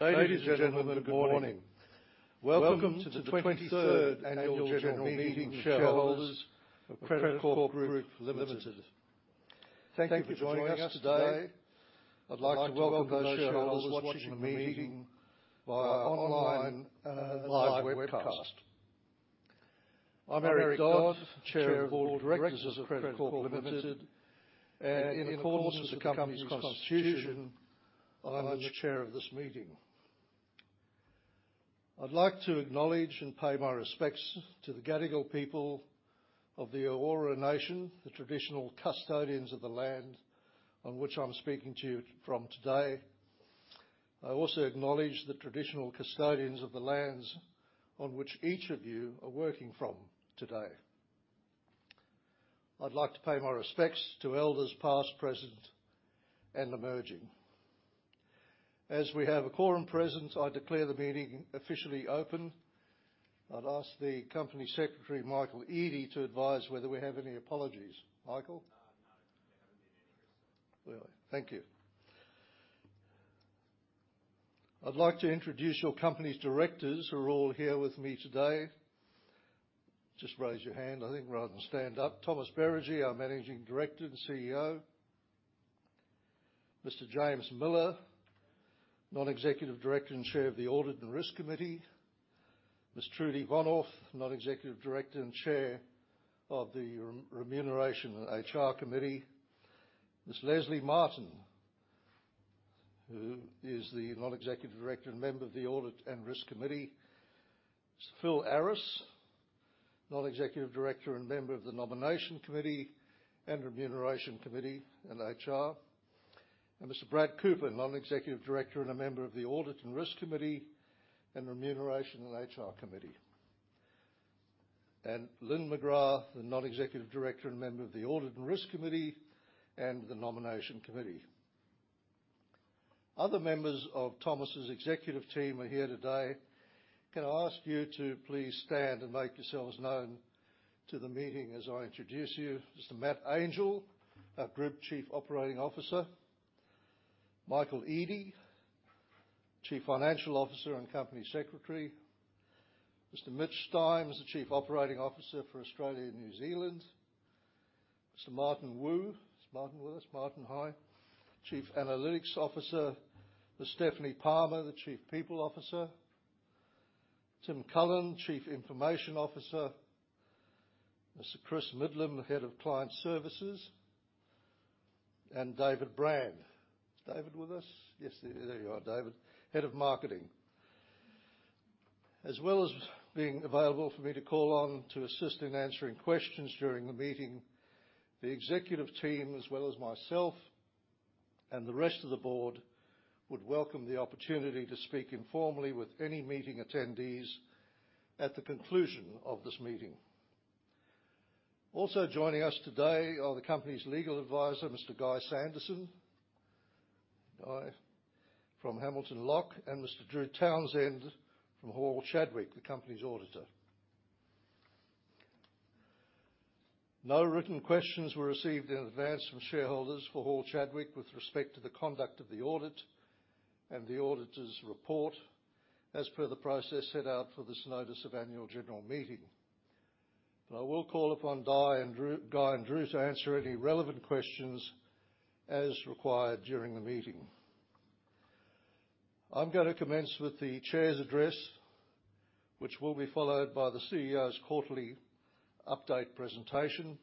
Ladies and gentlemen, good morning. Welcome to the twenty-third Annual General Meeting of shareholders of Credit Corp Group Limited. Thank you for joining us today. I'd like to welcome those shareholders watching the meeting via online, live webcast. I'm Eric Dodd, Chair of the Board of Directors of Credit Corp Group Limited, and in accordance with the company's constitution, I'm the chair of this meeting. I'd like to acknowledge and pay my respects to the Gadigal people of the Eora Nation, the traditional custodians of the land on which I'm speaking to you from today. I also acknowledge the traditional custodians of the lands on which each of you are working from today. I'd like to pay my respects to elders, past, present, and emerging. As we have a quorum present, I declare the meeting officially open. I'd ask the Company Secretary, Michael Eadie, to advise whether we have any apologies. Michael? No, we haven't had any, Chair. Really. Thank you. I'd like to introduce your company's directors, who are all here with me today. Just raise your hand, I think, rather than stand up. Thomas Beregi, our Managing Director and CEO. Mr. James Miller, Non-Executive Director and Chair of the Audit and Risk Committee. Ms. Trudy Vonhoff, Non-Executive Director and Chair of the Remuneration and HR Committee. Ms. Leslie Martin, who is the Non-Executive Director and member of the Audit and Risk Committee. Mr. Phil Aris, Non-Executive Director and member of the Nomination Committee and Remuneration Committee and HR. And Mr. Brad Cooper, Non-Executive Director and a member of the Audit and Risk Committee and Remuneration and HR Committee. And Lyn McGrath, the Non-Executive Director and member of the Audit and Risk Committee and the Nomination Committee. Other members of Thomas's executive team are here today. Can I ask you to please stand and make yourselves known to the meeting as I introduce you? Mr. Matthew Angell, our Group Chief Operating Officer. Michael Eadie, Chief Financial Officer and Company Secretary. Mr. Mitch Symes is the Chief Operating Officer for Australia and New Zealand. Mr. Martin Wu. Is Martin with us? Martin, hi. Chief Analytics Officer. Ms. Stephanie Palmer, the Chief People Officer. Tim Cullen, Chief Information Officer. Mr. Chris Middlam, Head of Client Services, and David Brand. Is David with us? Yes, there, there you are, David. Head of Marketing. As well as being available for me to call on to assist in answering questions during the meeting, the executive team, as well as myself and the rest of the board, would welcome the opportunity to speak informally with any meeting attendees at the conclusion of this meeting. Also joining us today are the company's legal advisor, Mr. Guy Sanderson. Guy, from Hamilton Locke, and Mr. Drew Townsend, from Hall Chadwick, the company's auditor. No written questions were received in advance from shareholders for Hall Chadwick with respect to the conduct of the audit and the auditor's report, as per the process set out for this notice of annual general meeting. I will call upon Guy and Drew, Guy and Drew, to answer any relevant questions as required during the meeting. I'm going to commence with the chair's address, which will be followed by the CEO's quarterly update presentation.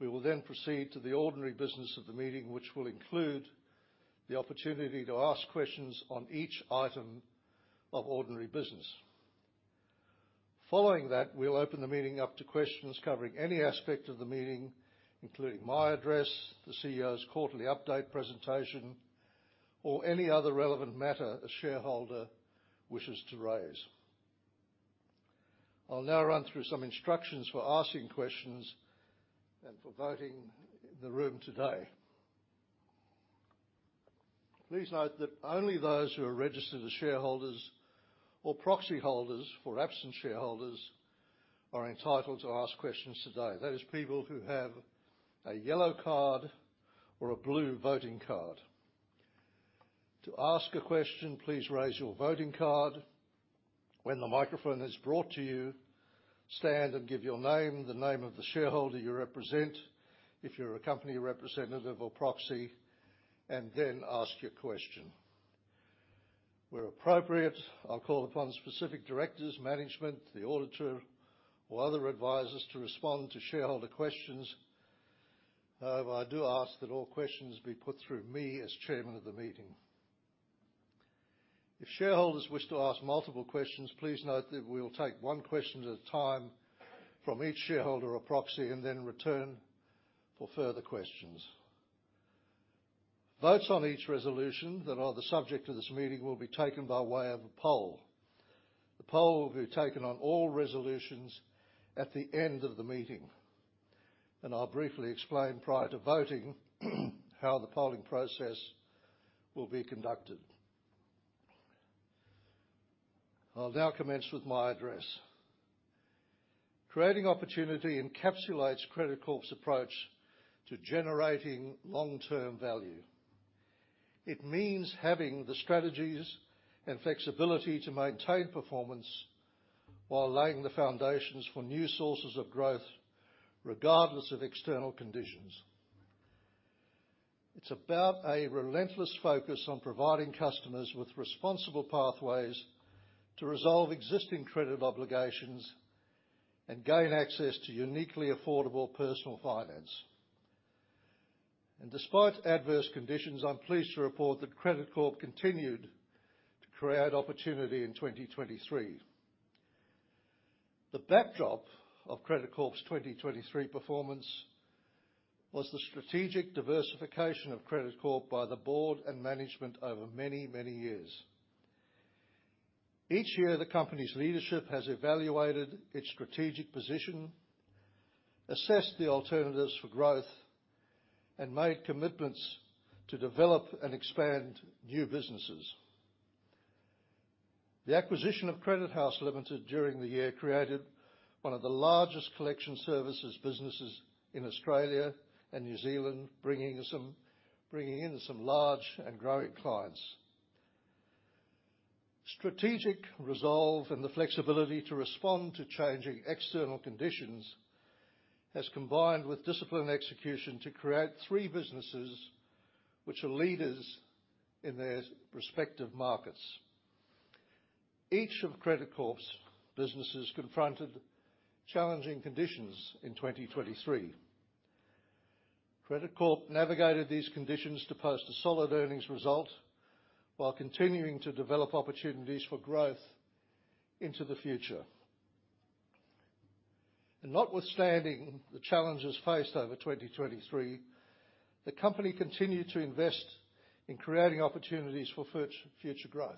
We will then proceed to the ordinary business of the meeting, which will include the opportunity to ask questions on each item of ordinary business. Following that, we'll open the meeting up to questions covering any aspect of the meeting, including my address, the CEO's quarterly update presentation, or any other relevant matter a shareholder wishes to raise. I'll now run through some instructions for asking questions and for voting in the room today. Please note that only those who are registered as shareholders or proxy holders for absent shareholders are entitled to ask questions today. That is people who have a yellow card or a blue voting card. To ask a question, please raise your voting card. When the microphone is brought to you, stand and give your name, the name of the shareholder you represent, if you're a company representative or proxy, and then ask your question. Where appropriate, I'll call upon specific directors, management, the auditor, or other advisors to respond to shareholder questions. However, I do ask that all questions be put through me as chairman of the meeting. If shareholders wish to ask multiple questions, please note that we will take one question at a time from each shareholder or proxy, and then return for further questions. Votes on each resolution that are the subject of this meeting will be taken by way of a poll. The poll will be taken on all resolutions at the end of the meeting, and I'll briefly explain prior to voting, how the polling process will be conducted. I'll now commence with my address. Creating opportunity encapsulates Credit Corp's approach to generating long-term value. It means having the strategies and flexibility to maintain performance while laying the foundations for new sources of growth, regardless of external conditions. It's about a relentless focus on providing customers with responsible pathways to resolve existing credit obligations and gain access to uniquely affordable personal finance. Despite adverse conditions, I'm pleased to report that Credit Corp continued to create opportunity in 2023. The backdrop of Credit Corp's 2023 performance was the strategic diversification of Credit Corp by the board and management over many, many years. Each year, the company's leadership has evaluated its strategic position, assessed the alternatives for growth, and made commitments to develop and expand new businesses. The acquisition of Collection House Limited during the year created one of the largest collection services businesses in Australia and New Zealand, bringing in some large and growing clients. Strategic resolve and the flexibility to respond to changing external conditions has combined with disciplined execution to create three businesses which are leaders in their respective markets. Each of Credit Corp's businesses confronted challenging conditions in 2023. Credit Corp navigated these conditions to post a solid earnings result while continuing to develop opportunities for growth into the future. Notwithstanding the challenges faced over 2023, the company continued to invest in creating opportunities for future growth.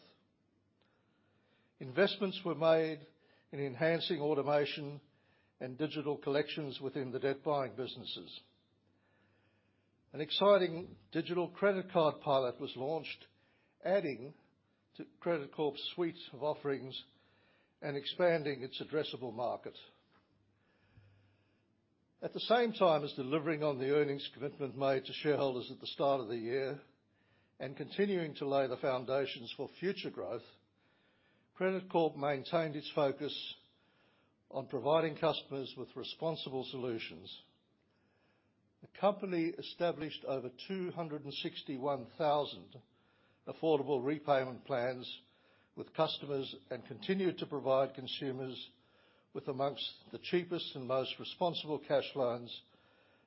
Investments were made in enhancing automation and digital collections within the debt buying businesses. An exciting digital credit card pilot was launched, adding to Credit Corp's suite of offerings and expanding its addressable market. At the same time as delivering on the earnings commitment made to shareholders at the start of the year and continuing to lay the foundations for future growth, Credit Corp maintained its focus on providing customers with responsible solutions. The company established over 261,000 affordable repayment plans with customers and continued to provide consumers with among the cheapest and most responsible cash loans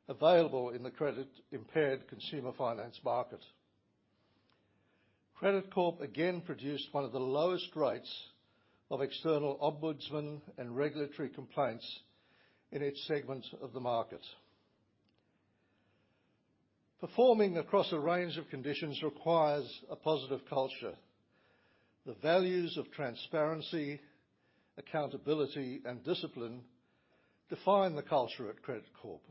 available in the credit-impaired consumer finance market. Credit Corp again produced one of the lowest rates of external ombudsman and regulatory complaints in its segment of the market. Performing across a range of conditions requires a positive culture. The values of transparency, accountability, and discipline define the culture at Credit Corp.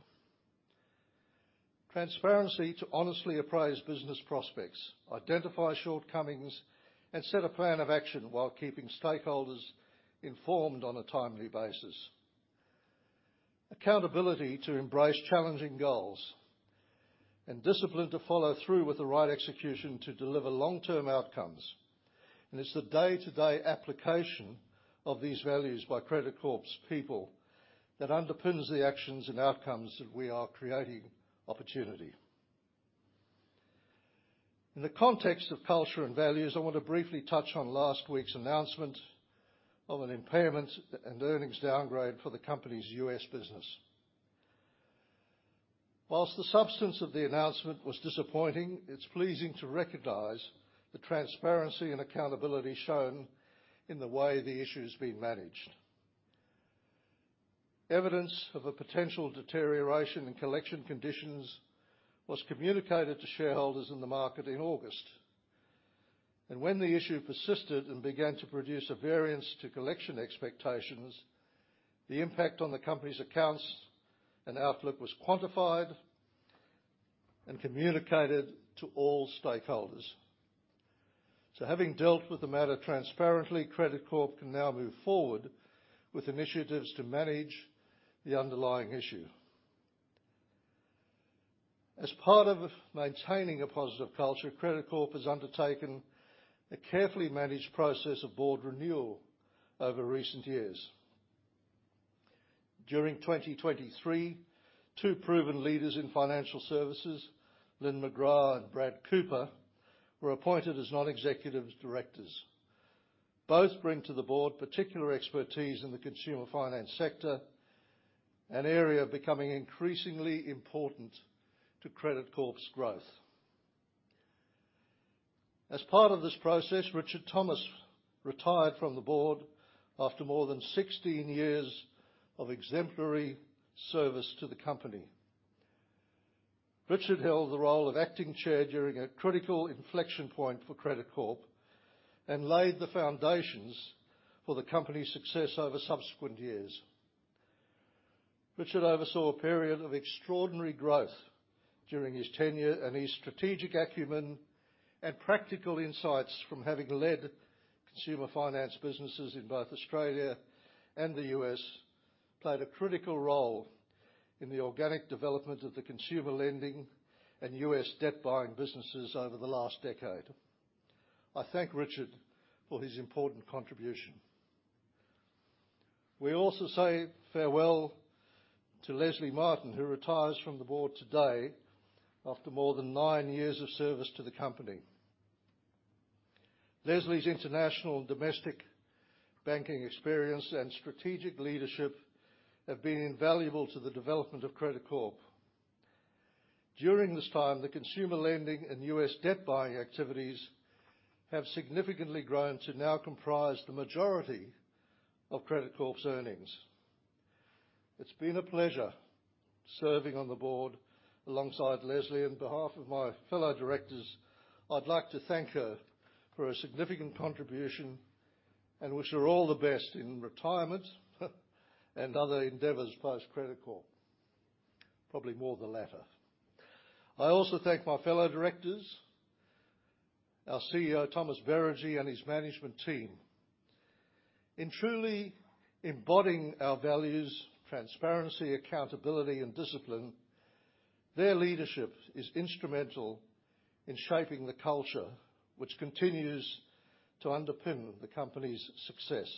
Transparency to honestly appraise business prospects, identify shortcomings, and set a plan of action while keeping stakeholders informed on a timely basis. Accountability to embrace challenging goals, and discipline to follow through with the right execution to deliver long-term outcomes. And it's the day-to-day application of these values by Credit Corp's people that underpins the actions and outcomes that we are creating opportunity. In the context of culture and values, I want to briefly touch on last week's announcement of an impairment and earnings downgrade for the company's U.S. business. While the substance of the announcement was disappointing, it's pleasing to recognize the transparency and accountability shown in the way the issue is being managed. Evidence of a potential deterioration in collection conditions was communicated to shareholders in the market in August, and when the issue persisted and began to produce a variance to collection expectations, the impact on the company's accounts and outlook was quantified and communicated to all stakeholders. Having dealt with the matter transparently, Credit Corp can now move forward with initiatives to manage the underlying issue. As part of maintaining a positive culture, Credit Corp has undertaken a carefully managed process of board renewal over recent years. During 2023, two proven leaders in financial services, Lyn McGrath and Brad Cooper, were appointed as non-executive directors. Both bring to the board particular expertise in the consumer finance sector, an area becoming increasingly important to Credit Corp's growth. As part of this process, Richard Thomas retired from the board after more than 16 years of exemplary service to the company. Richard held the role of acting chair during a critical inflection point for Credit Corp and laid the foundations for the company's success over subsequent years.... Richard oversaw a period of extraordinary growth during his tenure, and his strategic acumen and practical insights from having led consumer finance businesses in both Australia and the U.S., played a critical role in the organic development of the consumer lending and U.S. debt buying businesses over the last decade. I thank Richard for his important contribution. We also say farewell to Leslie Martin, who retires from the board today after more than nine years of service to the company. Leslie's international and domestic banking experience and strategic leadership have been invaluable to the development of Credit Corp. During this time, the consumer lending and US debt buying activities have significantly grown to now comprise the majority of Credit Corp's earnings. It's been a pleasure serving on the board alongside Leslie. On behalf of my fellow directors, I'd like to thank her for her significant contribution and wish her all the best in retirement and other endeavors post Credit Corp. Probably more the latter. I also thank my fellow directors, our CEO, Thomas Beregi, and his management team. In truly embodying our values, transparency, accountability and discipline, their leadership is instrumental in shaping the culture, which continues to underpin the company's success.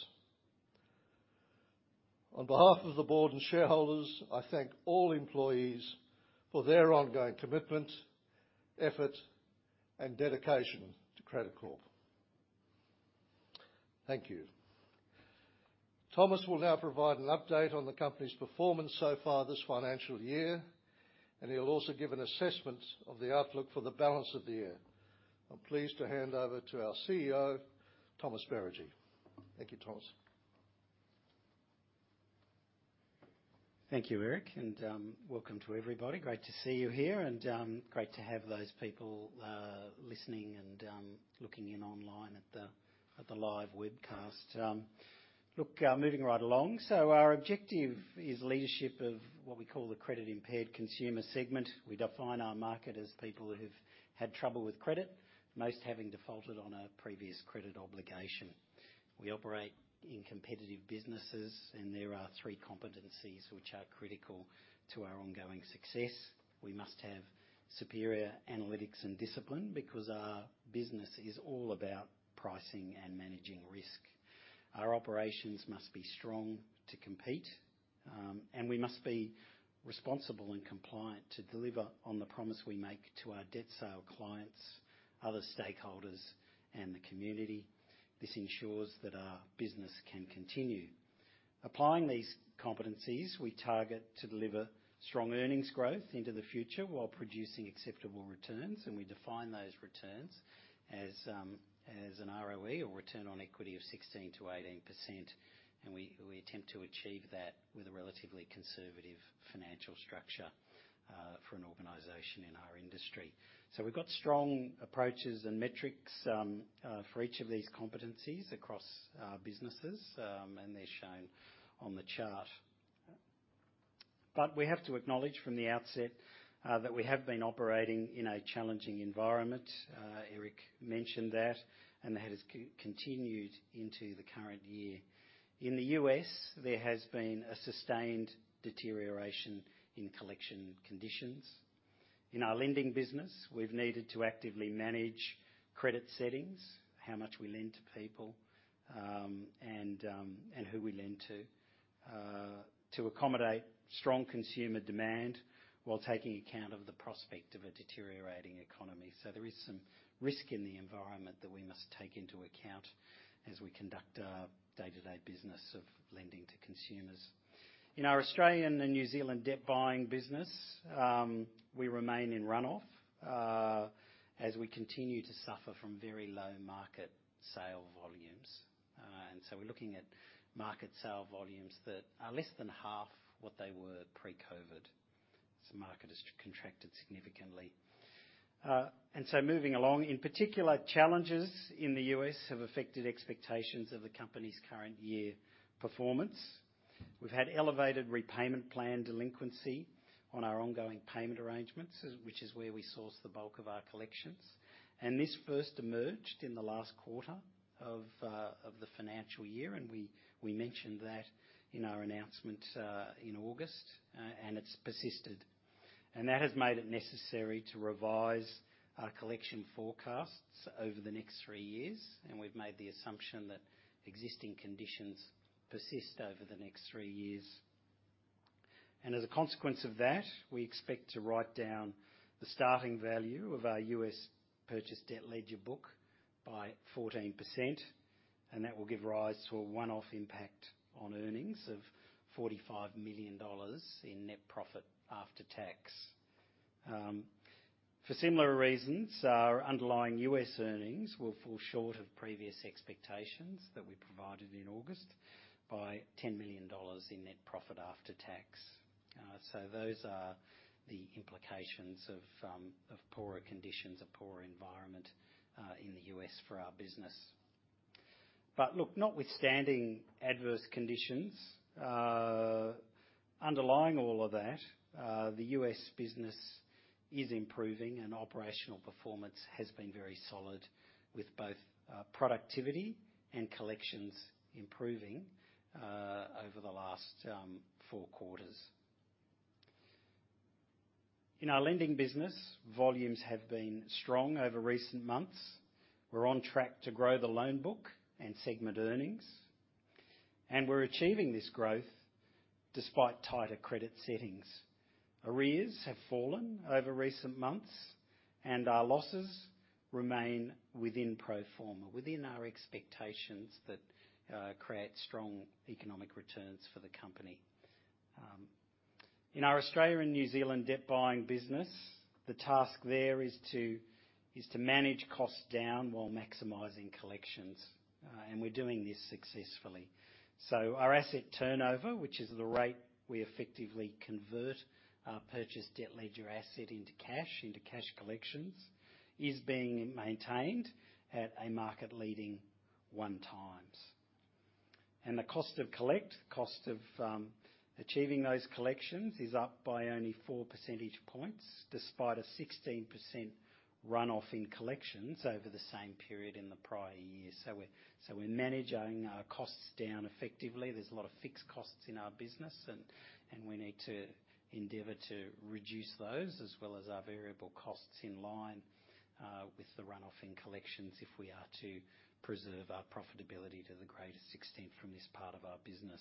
On behalf of the board and shareholders, I thank all employees for their ongoing commitment, effort, and dedication to Credit Corp. Thank you. Thomas will now provide an update on the company's performance so far this financial year, and he'll also give an assessment of the outlook for the balance of the year. I'm pleased to hand over to our CEO, Thomas Beregi. Thank you, Thomas. Thank you, Eric, and welcome to everybody. Great to see you here, and great to have those people listening and looking in online at the live webcast. Look, moving right along. So our objective is leadership of what we call the credit-impaired consumer segment. We define our market as people who've had trouble with credit, most having defaulted on a previous credit obligation. We operate in competitive businesses, and there are three competencies which are critical to our ongoing success. We must have superior analytics and discipline because our business is all about pricing and managing risk. Our operations must be strong to compete, and we must be responsible and compliant to deliver on the promise we make to our debt sale clients, other stakeholders, and the community. This ensures that our business can continue. Applying these competencies, we target to deliver strong earnings growth into the future while producing acceptable returns, and we define those returns as an ROE, or return on equity, of 16%-18%. We attempt to achieve that with a relatively conservative financial structure for an organization in our industry. We've got strong approaches and metrics for each of these competencies across our businesses, and they're shown on the chart. But we have to acknowledge from the outset that we have been operating in a challenging environment. Eric mentioned that, and that has continued into the current year. In the U.S., there has been a sustained deterioration in collection conditions. In our lending business, we've needed to actively manage credit settings, how much we lend to people, and who we lend to, to accommodate strong consumer demand while taking account of the prospect of a deteriorating economy. So there is some risk in the environment that we must take into account as we conduct our day-to-day business of lending to consumers. In our Australian and New Zealand debt buying business, we remain in runoff, as we continue to suffer from very low market sale volumes. And so we're looking at market sale volumes that are less than half what they were pre-COVID. So the market has contracted significantly. And so moving along, in particular, challenges in the U.S. have affected expectations of the company's current year performance. We've had elevated repayment plan delinquency on our ongoing payment arrangements, which is where we source the bulk of our collections, and this first emerged in the last quarter of the financial year, and we mentioned that in our announcement in August, and it's persisted. And that has made it necessary to revise our collection forecasts over the next three years, and we've made the assumption that existing conditions persist over the next three years. And as a consequence of that, we expect to write down the starting value of our U.S. purchased debt ledger book by 14%, and that will give rise to a one-off impact on earnings of 45 million dollars in net profit after tax. For similar reasons, our underlying U.S. earnings will fall short of previous expectations that we provided in August by $10 million in net profit after tax. So those are the implications of poorer conditions, a poorer environment, in the U.S. for our business. But look, notwithstanding adverse conditions, underlying all of that, the U.S. business is improving and operational performance has been very solid, with both productivity and collections improving over the last four quarters. In our lending business, volumes have been strong over recent months. We're on track to grow the loan book and segment earnings, and we're achieving this growth despite tighter credit settings. Arrears have fallen over recent months, and our losses remain within pro forma, within our expectations that create strong economic returns for the company. In our Australia and New Zealand debt buying business, the task there is to manage costs down while maximizing collections, and we're doing this successfully. So our asset turnover, which is the rate we effectively convert our Purchased Debt Ledger asset into cash, into cash collections, is being maintained at a market-leading 1x. And the cost of achieving those collections, is up by only 4 percentage points, despite a 16% runoff in collections over the same period in the prior year. So we're managing our costs down effectively. There's a lot of fixed costs in our business, and we need to endeavor to reduce those, as well as our variable costs, in line with the runoff in collections, if we are to preserve our profitability to the greatest extent from this part of our business.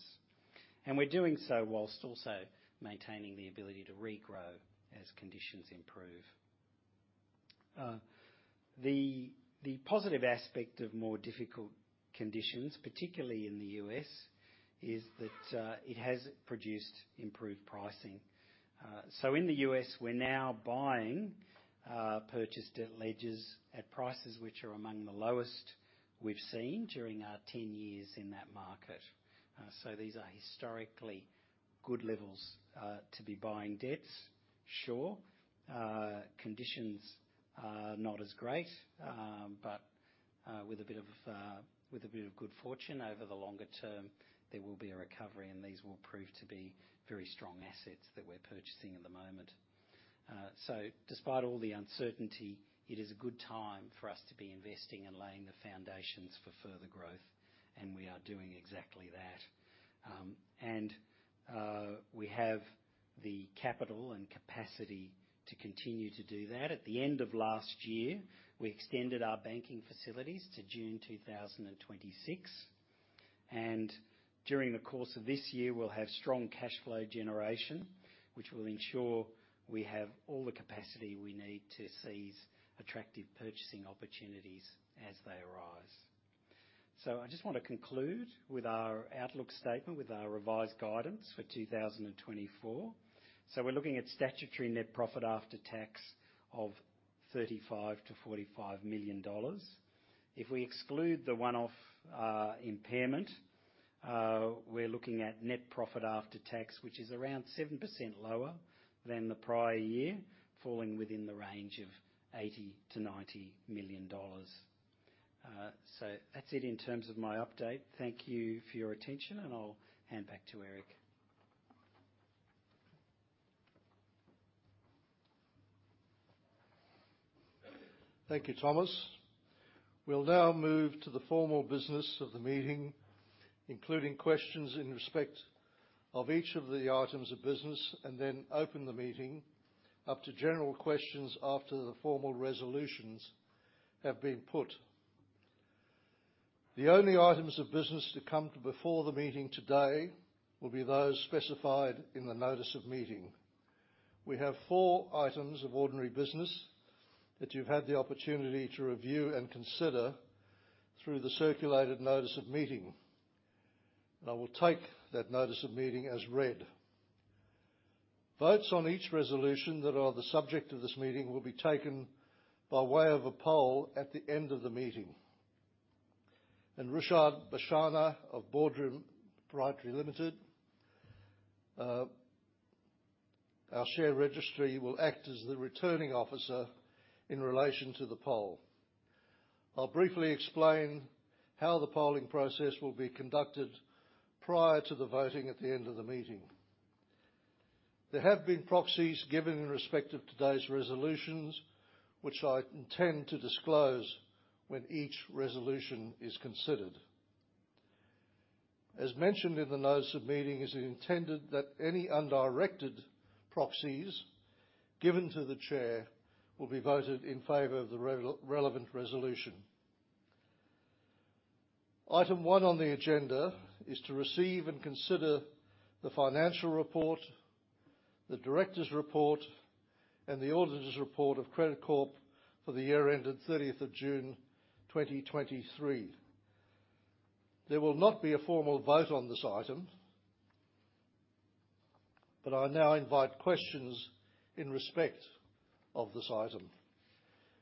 We're doing so whilst also maintaining the ability to regrow as conditions improve. The positive aspect of more difficult conditions, particularly in the U.S., is that it has produced improved pricing. So in the U.S., we're now buying purchased debt ledgers at prices which are among the lowest we've seen during our 10 years in that market. So these are historically good levels to be buying debts. Sure, conditions are not as great, but with a bit of good fortune over the longer term, there will be a recovery, and these will prove to be very strong assets that we're purchasing at the moment. So despite all the uncertainty, it is a good time for us to be investing and laying the foundations for further growth, and we are doing exactly that. and, we have the capital and capacity to continue to do that. At the end of last year, we extended our banking facilities to June 2026, and during the course of this year, we'll have strong cash flow generation, which will ensure we have all the capacity we need to seize attractive purchasing opportunities as they arise. So I just want to conclude with our outlook statement, with our revised guidance for 2024. So we're looking at statutory net profit after tax of 35 million-45 million dollars. If we exclude the one-off, impairment, we're looking at net profit after tax, which is around 7% lower than the prior year, falling within the range of 80 million-90 million dollars. so that's it in terms of my update. Thank you for your attention, and I'll hand back to Eric. Thank you, Thomas. We'll now move to the formal business of the meeting, including questions in respect of each of the items of business, and then open the meeting up to general questions after the formal resolutions have been put. The only items of business to come before the meeting today will be those specified in the notice of meeting. We have four items of ordinary business that you've had the opportunity to review and consider through the circulated notice of meeting, and I will take that notice of meeting as read. Votes on each resolution that are the subject of this meeting will be taken by way of a poll at the end of the meeting. Rishad Vachha of Boardroom Pty Limited, our share registry, will act as the Returning Officer in relation to the poll. I'll briefly explain how the polling process will be conducted prior to the voting at the end of the meeting. There have been proxies given in respect of today's resolutions, which I intend to disclose when each resolution is considered. As mentioned in the notice of meeting, it is intended that any undirected proxies given to the Chair will be voted in favor of the relevant resolution. Item one on the agenda is to receive and consider the financial report, the directors' report, and the auditors' report of Credit Corp for the year ended 30th of June, 2023. There will not be a formal vote on this item, but I now invite questions in respect of this item.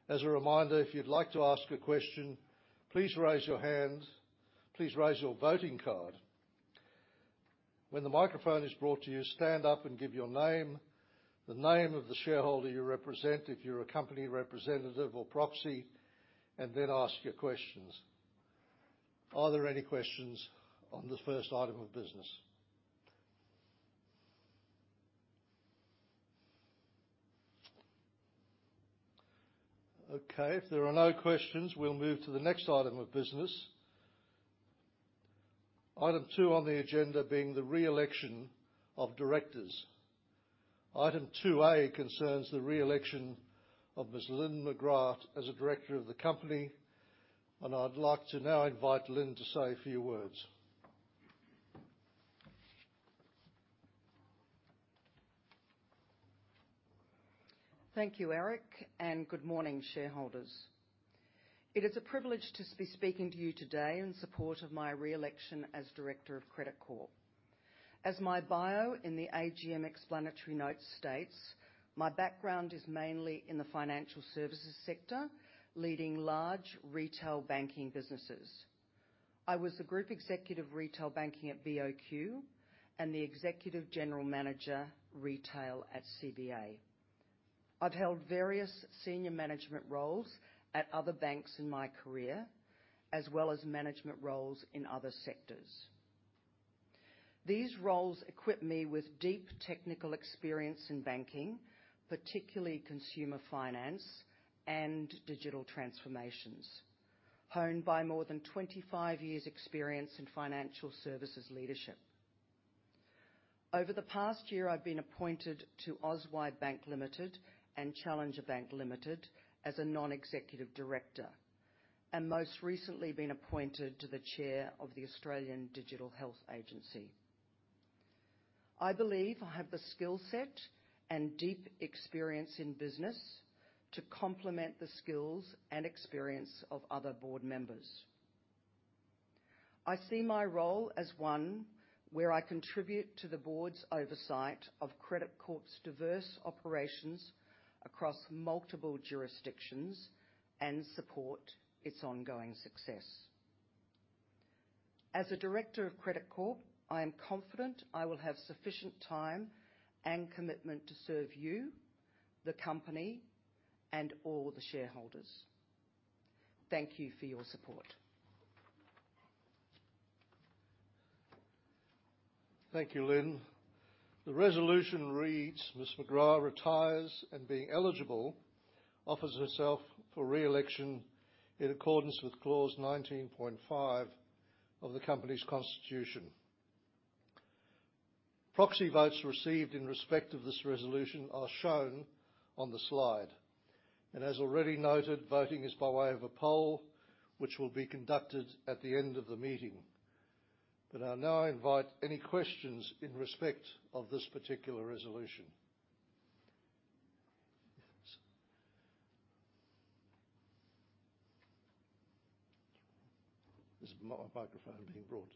As a reminder, if you'd like to ask a question, please raise your hand... Please raise your voting card.... When the microphone is brought to you, stand up and give your name, the name of the shareholder you represent if you're a company representative or proxy, and then ask your questions. Are there any questions on this first item of business? Okay, if there are no questions, we'll move to the next item of business. Item 2 on the agenda being the re-election of directors. Item 2A concerns the re-election of Ms. Lyn McGrath as a director of the company, and I'd like to now invite Lyn to say a few words. Thank you, Eric, and good morning, shareholders. It is a privilege to be speaking to you today in support of my re-election as director of Credit Corp. As my bio in the AGM explanatory notes states, my background is mainly in the financial services sector, leading large retail banking businesses. I was the Group Executive Retail Banking at BOQ and the Executive General Manager, Retail, at CBA. I've held various senior management roles at other banks in my career, as well as management roles in other sectors. These roles equip me with deep technical experience in banking, particularly consumer finance and digital transformations, honed by more than 25 years' experience in financial services leadership. Over the past year, I've been appointed to Auswide Bank Limited and Challenger Bank Limited as a non-executive director, and most recently, been appointed to the Chair of the Australian Digital Health Agency. I believe I have the skill set and deep experience in business to complement the skills and experience of other board members. I see my role as one where I contribute to the board's oversight of Credit Corp's diverse operations across multiple jurisdictions and support its ongoing success. As a director of Credit Corp, I am confident I will have sufficient time and commitment to serve you, the company, and all the shareholders. Thank you for your support. Thank you, Lyn. The resolution reads: Ms. McGrath retires, and being eligible, offers herself for re-election in accordance with Clause 19.5 of the company's constitution. Proxy votes received in respect of this resolution are shown on the slide, and as already noted, voting is by way of a poll, which will be conducted at the end of the meeting. But I now invite any questions in respect of this particular resolution. There's a microphone being brought.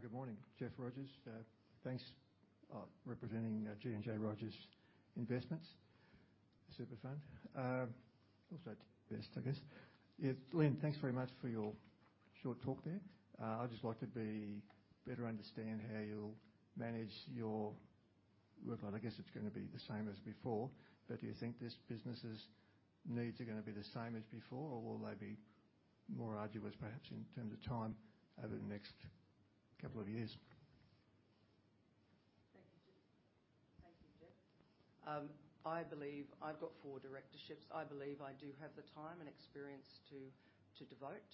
Good morning, Jeff Rogers. Thanks. Representing G&J Rogers Investments Super Fund. Also to invest, I guess. Yeah, Lyn, thanks very much for your short talk there. I'd just like to better understand how you'll manage your workload. I guess it's gonna be the same as before, but do you think this business's needs are gonna be the same as before, or will they be more arduous, perhaps, in terms of time over the next couple of years? Thank you, Jeff. I believe I've got four directorships. I believe I do have the time and experience to, to devote.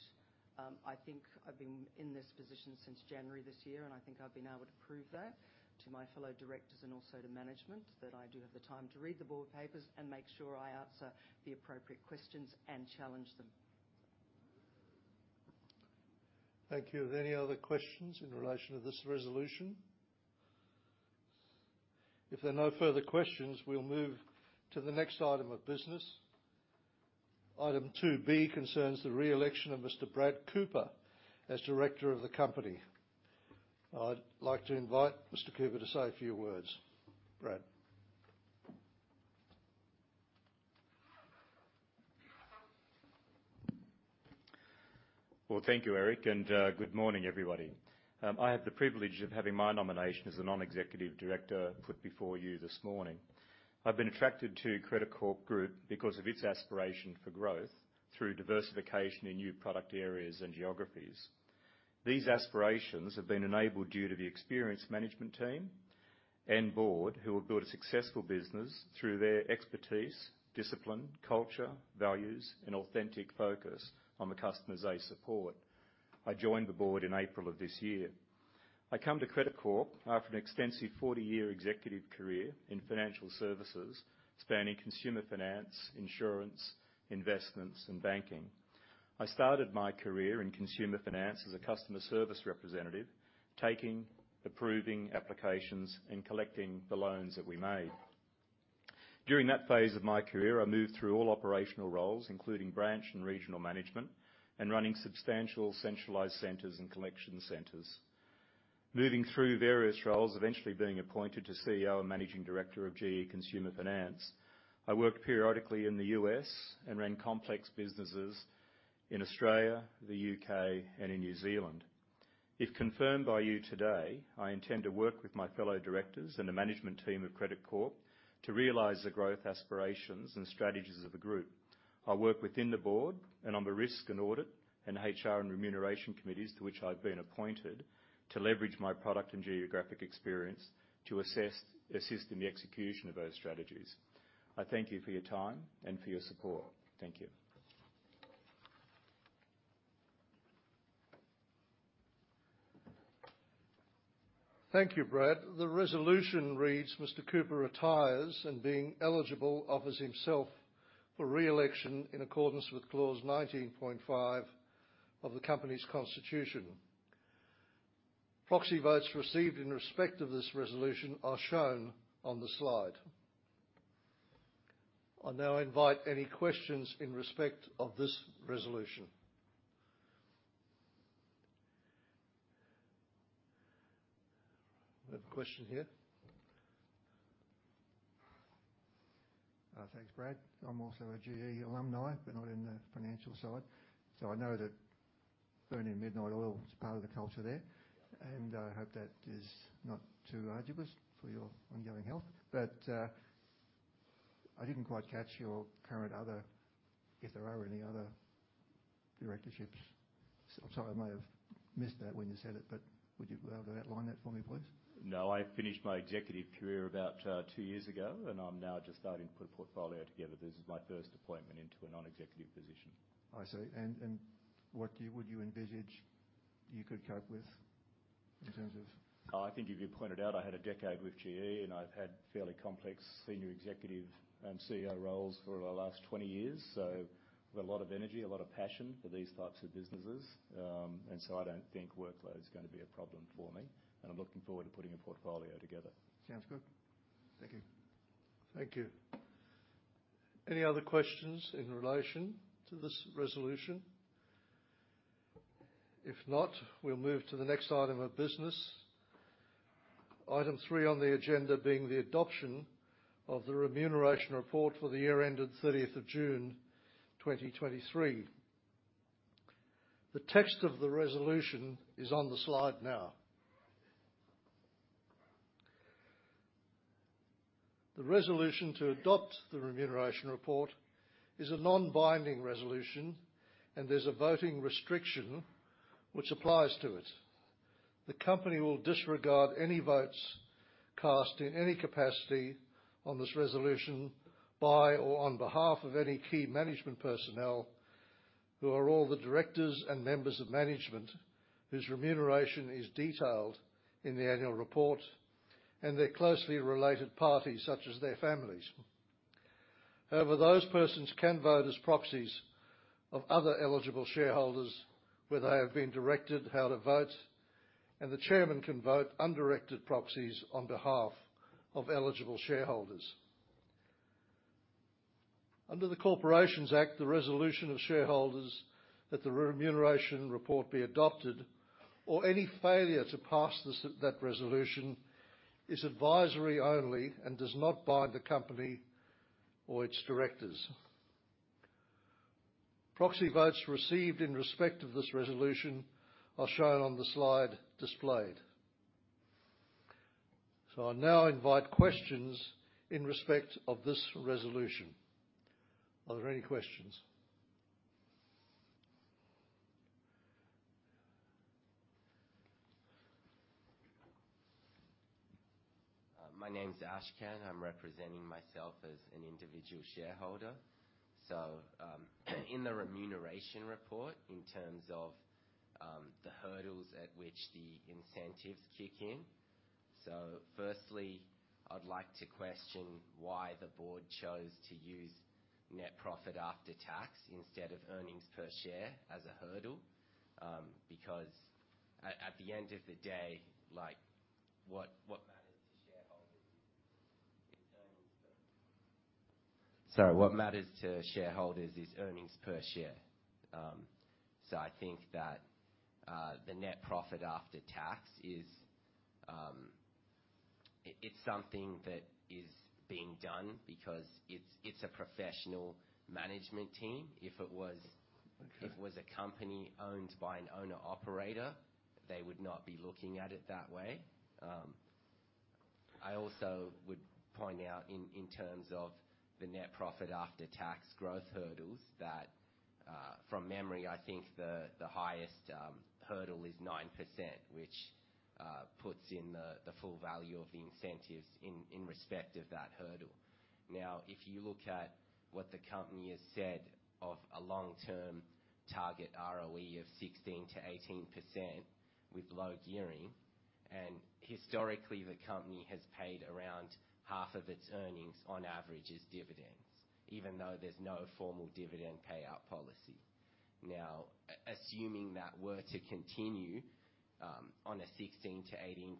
I think I've been in this position since January this year, and I think I've been able to prove that to my fellow directors and also to management, that I do have the time to read the board papers and make sure I answer the appropriate questions and challenge them. Thank you. Are there any other questions in relation to this resolution? If there are no further questions, we'll move to the next item of business. Item two B concerns the re-election of Mr. Brad Cooper as director of the company. I'd like to invite Mr. Cooper to say a few words. Brad? Well, thank you, Eric, and good morning, everybody. I have the privilege of having my nomination as a non-executive director put before you this morning. I've been attracted to Credit Corp Group because of its aspiration for growth through diversification in new product areas and geographies. These aspirations have been enabled due to the experienced management team and board, who have built a successful business through their expertise, discipline, culture, values, and authentic focus on the customers they support. I joined the board in April of this year. I come to Credit Corp after an extensive 40-year executive career in financial services, spanning consumer finance, insurance, investments, and banking. I started my career in consumer finance as a customer service representative, taking, approving applications, and collecting the loans that we made. During that phase of my career, I moved through all operational roles, including branch and regional management and running substantial centralized centers and collection centers. Moving through various roles, eventually being appointed to CEO and Managing Director of GE Consumer Finance. I worked periodically in the U.S. and ran complex businesses in Australia, the U.K., and in New Zealand.... If confirmed by you today, I intend to work with my fellow directors and the management team of Credit Corp to realize the growth aspirations and strategies of the group. I'll work within the board and on the Risk and Audit and HR and Remuneration Committees, to which I've been appointed, to leverage my product and geographic experience to assess- assist in the execution of those strategies. I thank you for your time and for your support. Thank you. Thank you, Brad. The resolution reads: Mr. Cooper retires, and being eligible, offers himself for re-election in accordance with Clause 19.5 of the company's constitution. Proxy votes received in respect of this resolution are shown on the slide. I now invite any questions in respect of this resolution. We have a question here. Thanks, Brad. I'm also a GE alumni, but not in the financial side. So I know that burning midnight oil is part of the culture there, and I hope that is not too arduous for your ongoing health. But, I didn't quite catch your current other... if there are any other directorships. I'm sorry, I may have missed that when you said it, but would you be able to outline that for me, please? No, I finished my executive career about two years ago, and I'm now just starting to put a portfolio together. This is my first appointment into a non-executive position. I see. And what would you envisage you could cope with in terms of- Oh, I think you pointed out I had a decade with GE, and I've had fairly complex senior executive and CEO roles for the last 20 years. So I've got a lot of energy, a lot of passion for these types of businesses. And so I don't think workload is going to be a problem for me, and I'm looking forward to putting a portfolio together. Sounds good. Thank you. Thank you. Any other questions in relation to this resolution? If not, we'll move to the next item of business. Item three on the agenda being the adoption of the Remuneration Report for the year ended 30th of June 2023. The text of the resolution is on the slide now. The resolution to adopt the Remuneration Report is a non-binding resolution, and there's a voting restriction which applies to it. The company will disregard any votes cast in any capacity on this resolution by, or on behalf of, any key management personnel, who are all the directors and members of management whose remuneration is detailed in the annual report and their closely related parties, such as their families. However, those persons can vote as proxies of other eligible shareholders, where they have been directed how to vote, and the chairman can vote undirected proxies on behalf of eligible shareholders. Under the Corporations Act, the resolution of shareholders that the Remuneration Report be adopted, or any failure to pass this, that resolution, is advisory only and does not bind the company or its directors. Proxy votes received in respect of this resolution are shown on the slide displayed. I now invite questions in respect of this resolution. Are there any questions? My name is Ashkan. I'm representing myself as an individual shareholder. So, in the Remuneration Report, in terms of, the hurdles at which the incentives kick in. So firstly, I'd like to question why the board chose to use net profit after tax instead of earnings per share as a hurdle? Because at the end of the day, like, what matters to shareholders is earnings per... Sorry, what matters to shareholders is earnings per share. So I think that, the net profit after tax is, it's something that is being done because it's a professional management team. If it was- Okay. If it was a company owned by an owner-operator, they would not be looking at it that way. I also would point out in terms of the net profit after tax growth hurdles, that from memory, I think the highest hurdle is 9%, which puts in the full value of the incentives in respect of that hurdle. Now, if you look at what the company has said of a long-term target ROE of 16%-18% with low gearing, and historically, the company has paid around half of its earnings on average as dividends, even though there's no formal dividend payout policy. Now, assuming that were to continue, on a 16%-18%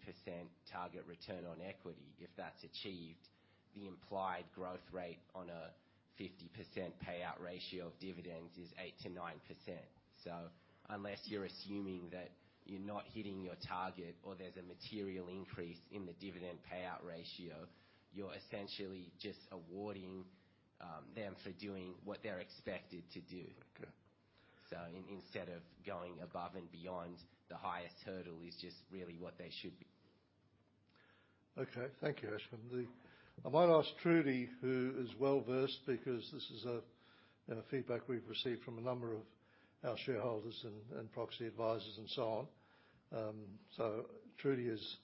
target return on equity, if that's achieved, the implied growth rate on a 50% payout ratio of dividends is 8%-9%. So unless you're assuming that you're not hitting your target or there's a material increase in the dividend payout ratio, you're essentially just awarding them for doing what they're expected to do. Okay. So instead of going above and beyond, the highest hurdle is just really what they should be. Okay. Thank you, Ashkan. I might ask Trudy, who is well-versed, because this is a feedback we've received from a number of our shareholders and proxy advisors, and so on. So Trudy, as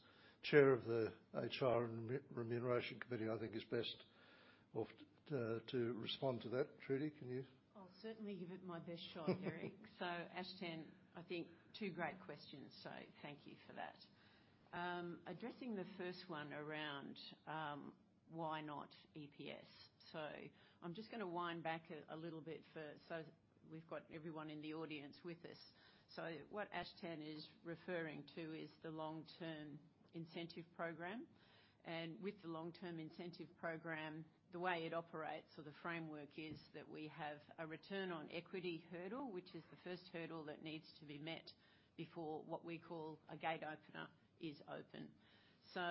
Chair of the HR and Remuneration Committee, I think is best off to respond to that. Trudy, can you? I'll certainly give it my best shot, Eric. So Ashkan, I think two great questions, so thank you for that. Addressing the first one around why not EPS? So I'm just gonna wind back a little bit first, so we've got everyone in the audience with us. So what Ashkan is referring to is the long-term incentive program. And with the long-term incentive program, the way it operates, or the framework, is that we have a return on equity hurdle, which is the first hurdle that needs to be met before what we call a gate opener is open. So,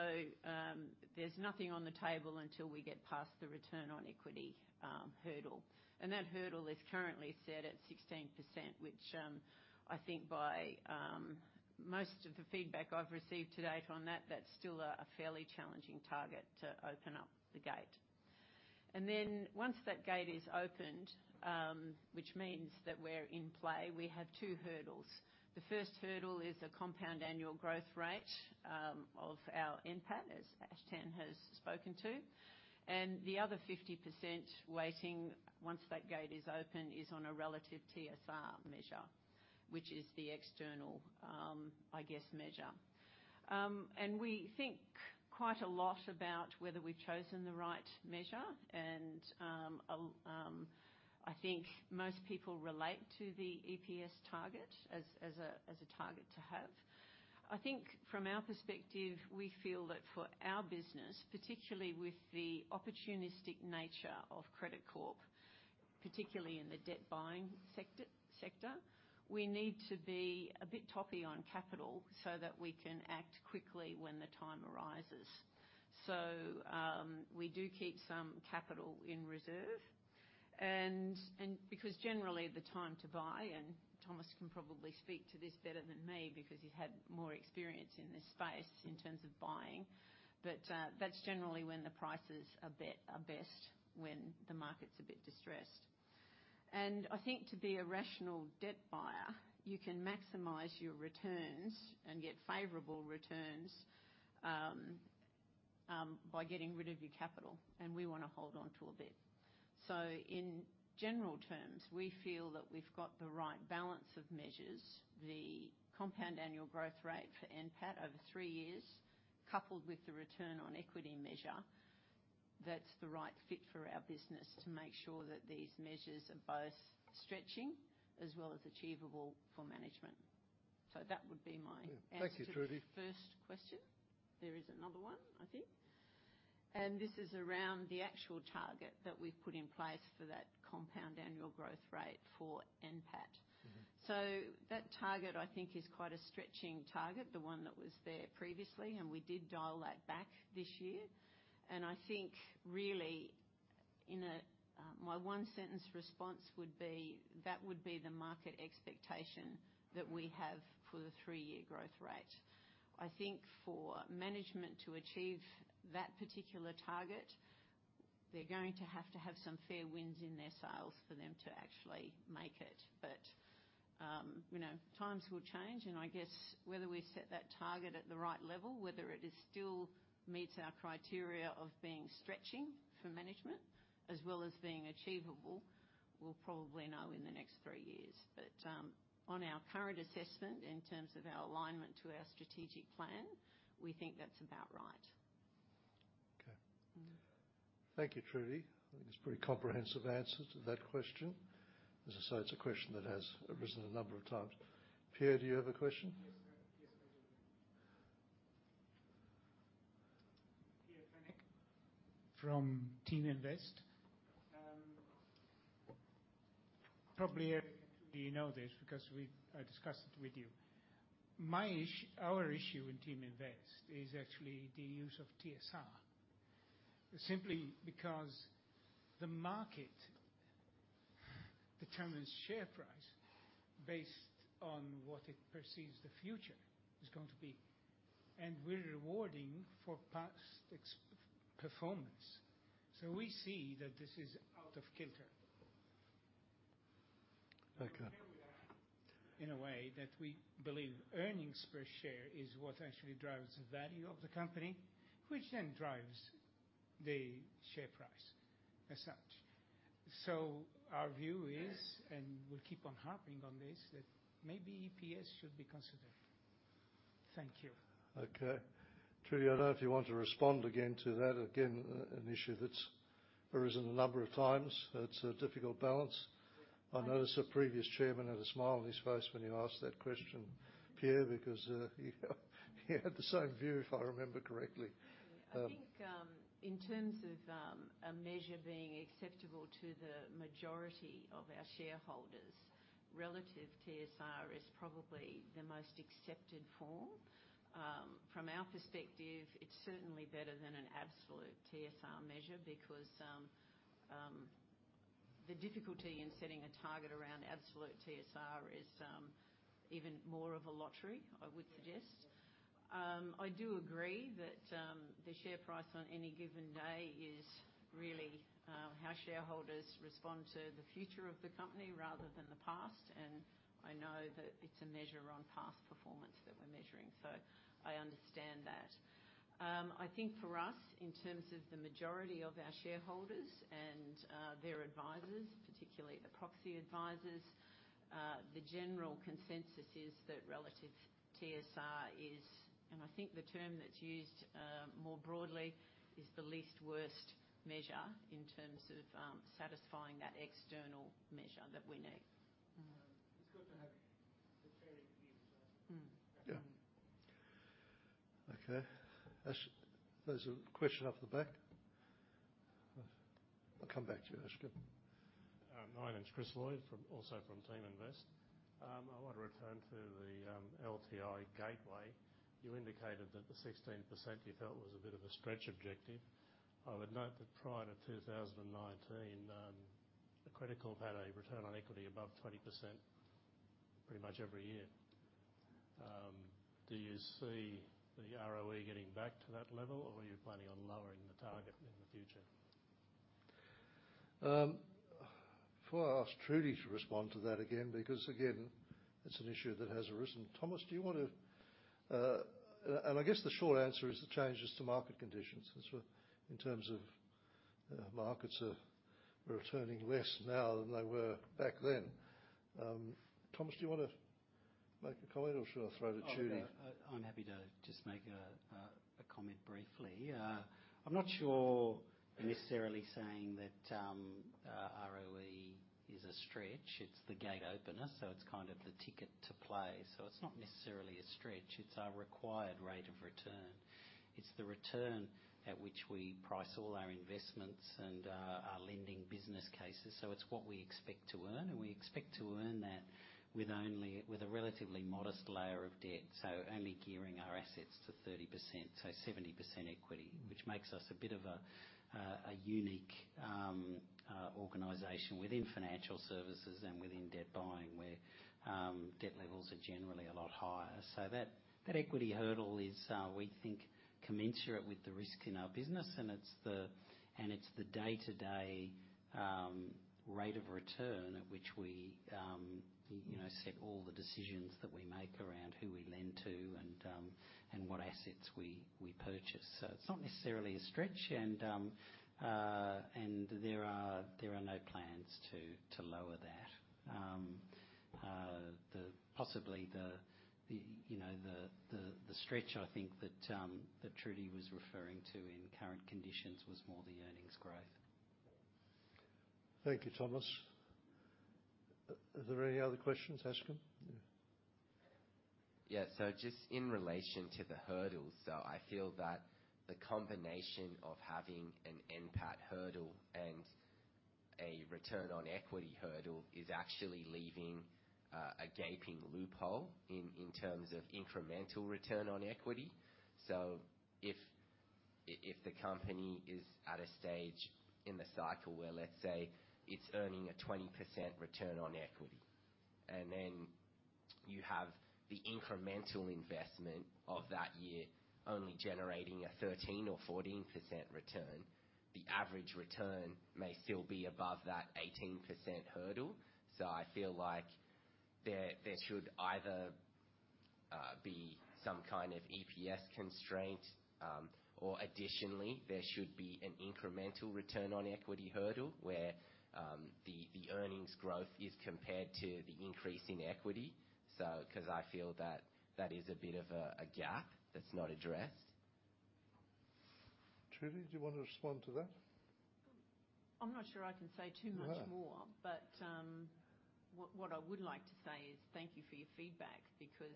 there's nothing on the table until we get past the return on equity hurdle. And that hurdle is currently set at 16%, which, I think by most of the feedback I've received to date on that, that's still a fairly challenging target to open up the gate. And then, once that gate is opened, which means that we're in play, we have two hurdles. The first hurdle is a compound annual growth rate of our NPAT, as Ashkan has spoken to. And the other 50% weighting, once that gate is open, is on a relative TSR measure, which is the external, I guess, measure. And we think quite a lot about whether we've chosen the right measure, and, I think most people relate to the EPS target as a target to have. I think from our perspective, we feel that for our business, particularly with the opportunistic nature of Credit Corp, particularly in the debt buying sector, we need to be a bit toppy on capital so that we can act quickly when the time arises. So, we do keep some capital in reserve. And because generally the time to buy, and Thomas can probably speak to this better than me, because he's had more experience in this space in terms of buying, but that's generally when the prices are best, when the market's a bit distressed. And I think to be a rational debt buyer, you can maximize your returns and get favorable returns by getting rid of your capital, and we wanna hold on to a bit. So in general terms, we feel that we've got the right balance of measures. The compound annual growth rate for NPAT over three years, coupled with the return on equity measure, that's the right fit for our business to make sure that these measures are both stretching as well as achievable for management. So that would be my answer. Thank you, Trudy. To the first question. There is another one, I think, and this is around the actual target that we've put in place for that compound annual growth rate for NPAT. Mm-hmm. So that target, I think, is quite a stretching target, the one that was there previously, and we did dial that back this year. And I think really in a, my one-sentence response would be, that would be the market expectation that we have for the three-year growth rate. I think for management to achieve that particular target, they're going to have to have some fair winds in their sails for them to actually make it. But, you know, times will change, and I guess whether we set that target at the right level, whether it is still meets our criteria of being stretching for management as well as being achievable, we'll probably know in the next three years. But, on our current assessment, in terms of our alignment to our strategic plan, we think that's about right. Okay. Mm-hmm. Thank you, Trudy. I think it's a pretty comprehensive answer to that question. As I said, it's a question that has arisen a number of times. Pierre, do you have a question? Yes, sir. Yes, I do. Pierre Prentice from Team Invest. Probably, you know this because we, I discussed it with you. Our issue in Team Invest is actually the use of TSR. Simply because the market determines share price based on what it perceives the future is going to be, and we're rewarding for past performance. So we see that this is out of kilter. Okay. In a way that we believe earnings per share is what actually drives the value of the company, which then drives the share price as such. So our view is, and we'll keep on harping on this, that maybe EPS should be considered. Thank you. Okay. Trudy, I don't know if you want to respond again to that. Again, an issue that's arisen a number of times. It's a difficult balance. I noticed the previous chairman had a smile on his face when you asked that question, Pierre, because, he had the same view, if I remember correctly. I think, in terms of, a measure being acceptable to the majority of our shareholders, relative TSR is probably the most accepted form. From our perspective, it's certainly better than an absolute TSR measure, because the difficulty in setting a target around absolute TSR is even more of a lottery, I would suggest. I do agree that the share price on any given day is really how shareholders respond to the future of the company rather than the past, and I know that it's a measure on past performance that we're measuring, so I understand that. I think for us, in terms of the majority of our shareholders and their advisors, particularly the proxy advisors, the general consensus is that relative TSR is, and I think the term that's used more broadly, is the least worst measure in terms of satisfying that external measure that we need. It's good to have a very easy answer. Mm. Yeah. Okay. Ash, there's a question up the back. I'll come back to you, Ashkan. My name is Chris Lloyd, from, also from Team Invest. I want to return to the LTI gateway. You indicated that the 16% you felt was a bit of a stretch objective. I would note that prior to 2019, the Credit Corp had a return on equity above 20% pretty much every year. Do you see the ROE getting back to that level, or are you planning on lowering the target in the future? Before I ask Trudy to respond to that again, because, again, it's an issue that has arisen. Thomas, do you want to... I guess the short answer is the changes to market conditions, as well, in terms of, markets are returning less now than they were back then. Thomas, do you want to make a comment, or should I throw it to Trudy? I'm happy to just make a comment briefly. I'm not sure we're necessarily saying that ROE is a stretch. It's the gate opener, so it's kind of the ticket to play, so it's not necessarily a stretch. It's our required rate of return. It's the return at which we price all our investments and our lending business cases, so it's what we expect to earn, and we expect to earn that with only with a relatively modest layer of debt. So only gearing our assets to 30%, so 70% equity, which makes us a bit of a unique organization within financial services and within debt buying, where debt levels are generally a lot higher. So that equity hurdle is, we think, commensurate with the risk in our business, and it's the day-to-day rate of return at which we, you know, set all the decisions that we make around who we lend to and what assets we purchase. So it's not necessarily a stretch, and there are no plans to lower that. Possibly the stretch I think that Trudy was referring to in current conditions was more the earnings growth. Thank you, Thomas. Are there any other questions, Ashkan? Yeah. Yeah. So just in relation to the hurdles, so I feel that the combination of having an NPAT hurdle and a return on equity hurdle is actually leaving a gaping loophole in terms of incremental return on equity. So if the company is at a stage in the cycle where, let's say, it's earning a 20% return on equity, and then you have the incremental investment of that year only generating a 13% or 14% return, the average return may still be above that 18% hurdle. So I feel like there should either be some kind of EPS constraint, or additionally, there should be an incremental return on equity hurdle, where the earnings growth is compared to the increase in equity, so, because I feel that that is a bit of a gap that's not addressed. Trudy, do you want to respond to that? I'm not sure I can say too much more. No. But what I would like to say is thank you for your feedback, because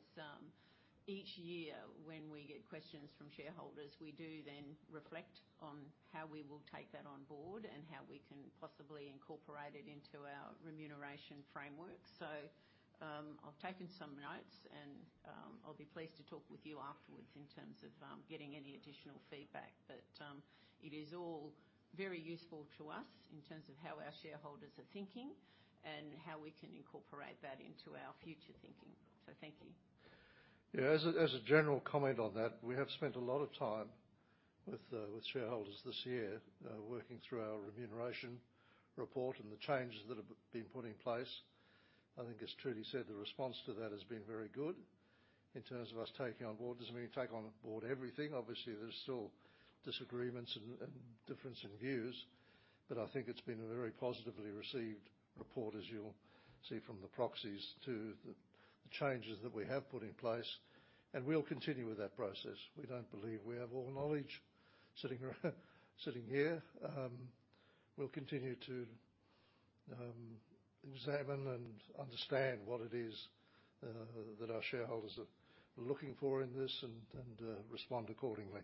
each year, when we get questions from shareholders, we do then reflect on how we will take that on board and how we can possibly incorporate it into our remuneration framework. So I've taken some notes, and I'll be pleased to talk with you afterwards in terms of getting any additional feedback. But it is all very useful to us in terms of how our shareholders are thinking and how we can incorporate that into our future thinking. So thank you. Yeah, as a, as a general comment on that, we have spent a lot of time with, with shareholders this year, working through our remuneration report and the changes that have been put in place. I think, as Trudy said, the response to that has been very good in terms of us taking on board. Doesn't mean we take on board everything. Obviously, there's still disagreements and, and difference in views, but I think it's been a very positively received report, as you'll see from the proxies to the, the changes that we have put in place, and we'll continue with that process. We don't believe we have all knowledge sitting here. We'll continue to examine and understand what it is that our shareholders are looking for in this and, and, respond accordingly.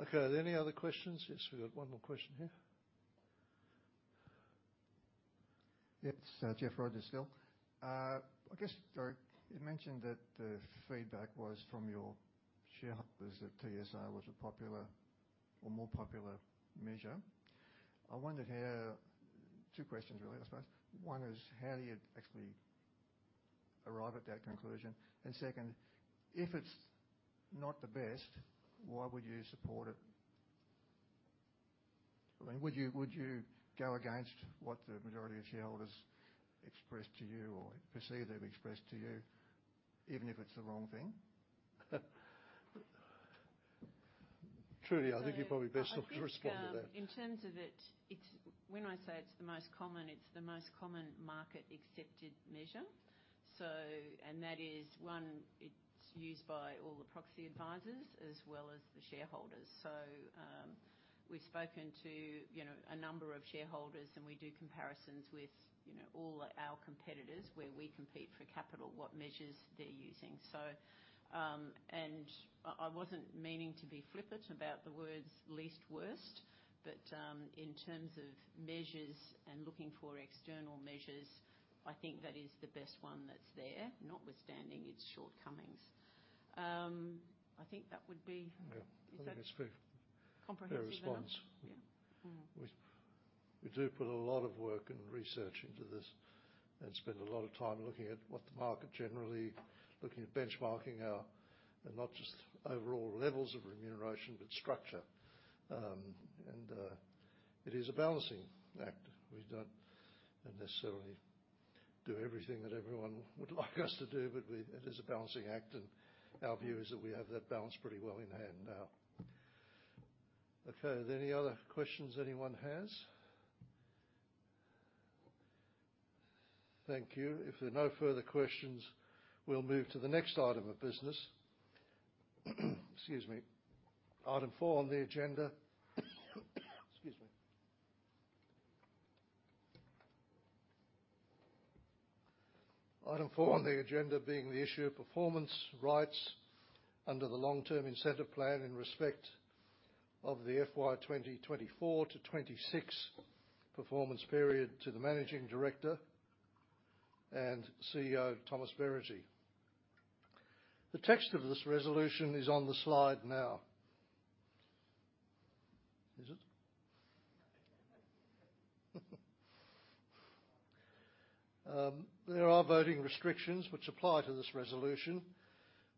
Okay, are there any other questions? Yes, we've got one more question here. Yeah, it's Jeff Rogers still. I guess, sorry, you mentioned that the feedback was from your shareholders, that TSR was a popular or more popular measure. I wondered how... Two questions, really, I suppose. One is, how do you actually arrive at that conclusion? And second, if it's not the best, why would you support it? I mean, would you, would you go against what the majority of shareholders expressed to you or perceive they've expressed to you, even if it's the wrong thing? Trudy, I think you're probably best off to respond to that. I think, in terms of it, it's, when I say it's the most common, it's the most common market-accepted measure. So. And that is, one, it's used by all the proxy advisors as well as the shareholders. So, we've spoken to, you know, a number of shareholders, and we do comparisons with, you know, all our competitors, where we compete for capital, what measures they're using. So, and I, I wasn't meaning to be flippant about the words least worst, but, in terms of measures and looking for external measures, I think that is the best one that's there, notwithstanding its shortcomings. I think that would be- Yeah. Is that- I think it's fair- Comprehensive? Fair response. Yeah. Mm-hmm. We do put a lot of work and research into this and spend a lot of time looking at what the market generally, looking at benchmarking our... and not just overall levels of remuneration, but structure. It is a balancing act. We don't necessarily do everything that everyone would like us to do, but it is a balancing act, and our view is that we have that balance pretty well in hand now. Okay, are there any other questions anyone has? Thank you. If there are no further questions, we'll move to the next item of business. Excuse me. Item four on the agenda. Excuse me. Item four on the agenda being the issue of performance rights under the long-term incentive plan in respect of the FY 2024-2026 performance period to the Managing Director and CEO, Thomas Beregi. The text of this resolution is on the slide now. Is it? There are voting restrictions which apply to this resolution.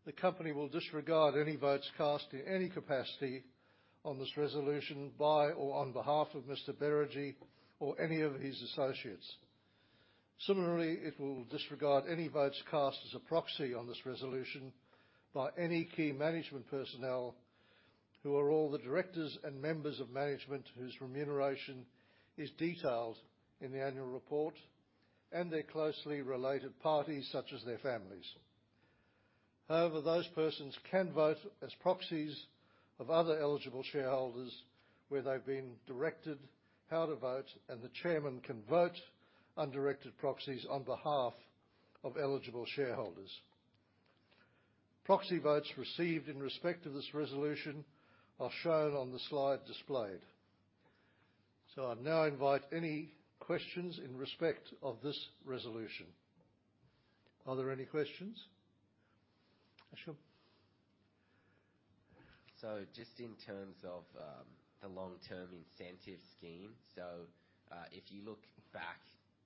The company will disregard any votes cast in any capacity on this resolution by or on behalf of Mr. Beregi or any of his associates. Similarly, it will disregard any votes cast as a proxy on this resolution by any key management personnel, who are all the directors and members of management whose remuneration is detailed in the annual report and their closely related parties, such as their families. However, those persons can vote as proxies of other eligible shareholders, where they've been directed how to vote, and the chairman can vote undirected proxies on behalf of eligible shareholders. Proxy votes received in respect to this resolution are shown on the slide displayed. So I now invite any questions in respect of this resolution. Are there any questions? Sure. So just in terms of the long-term incentive scheme, so, if you look back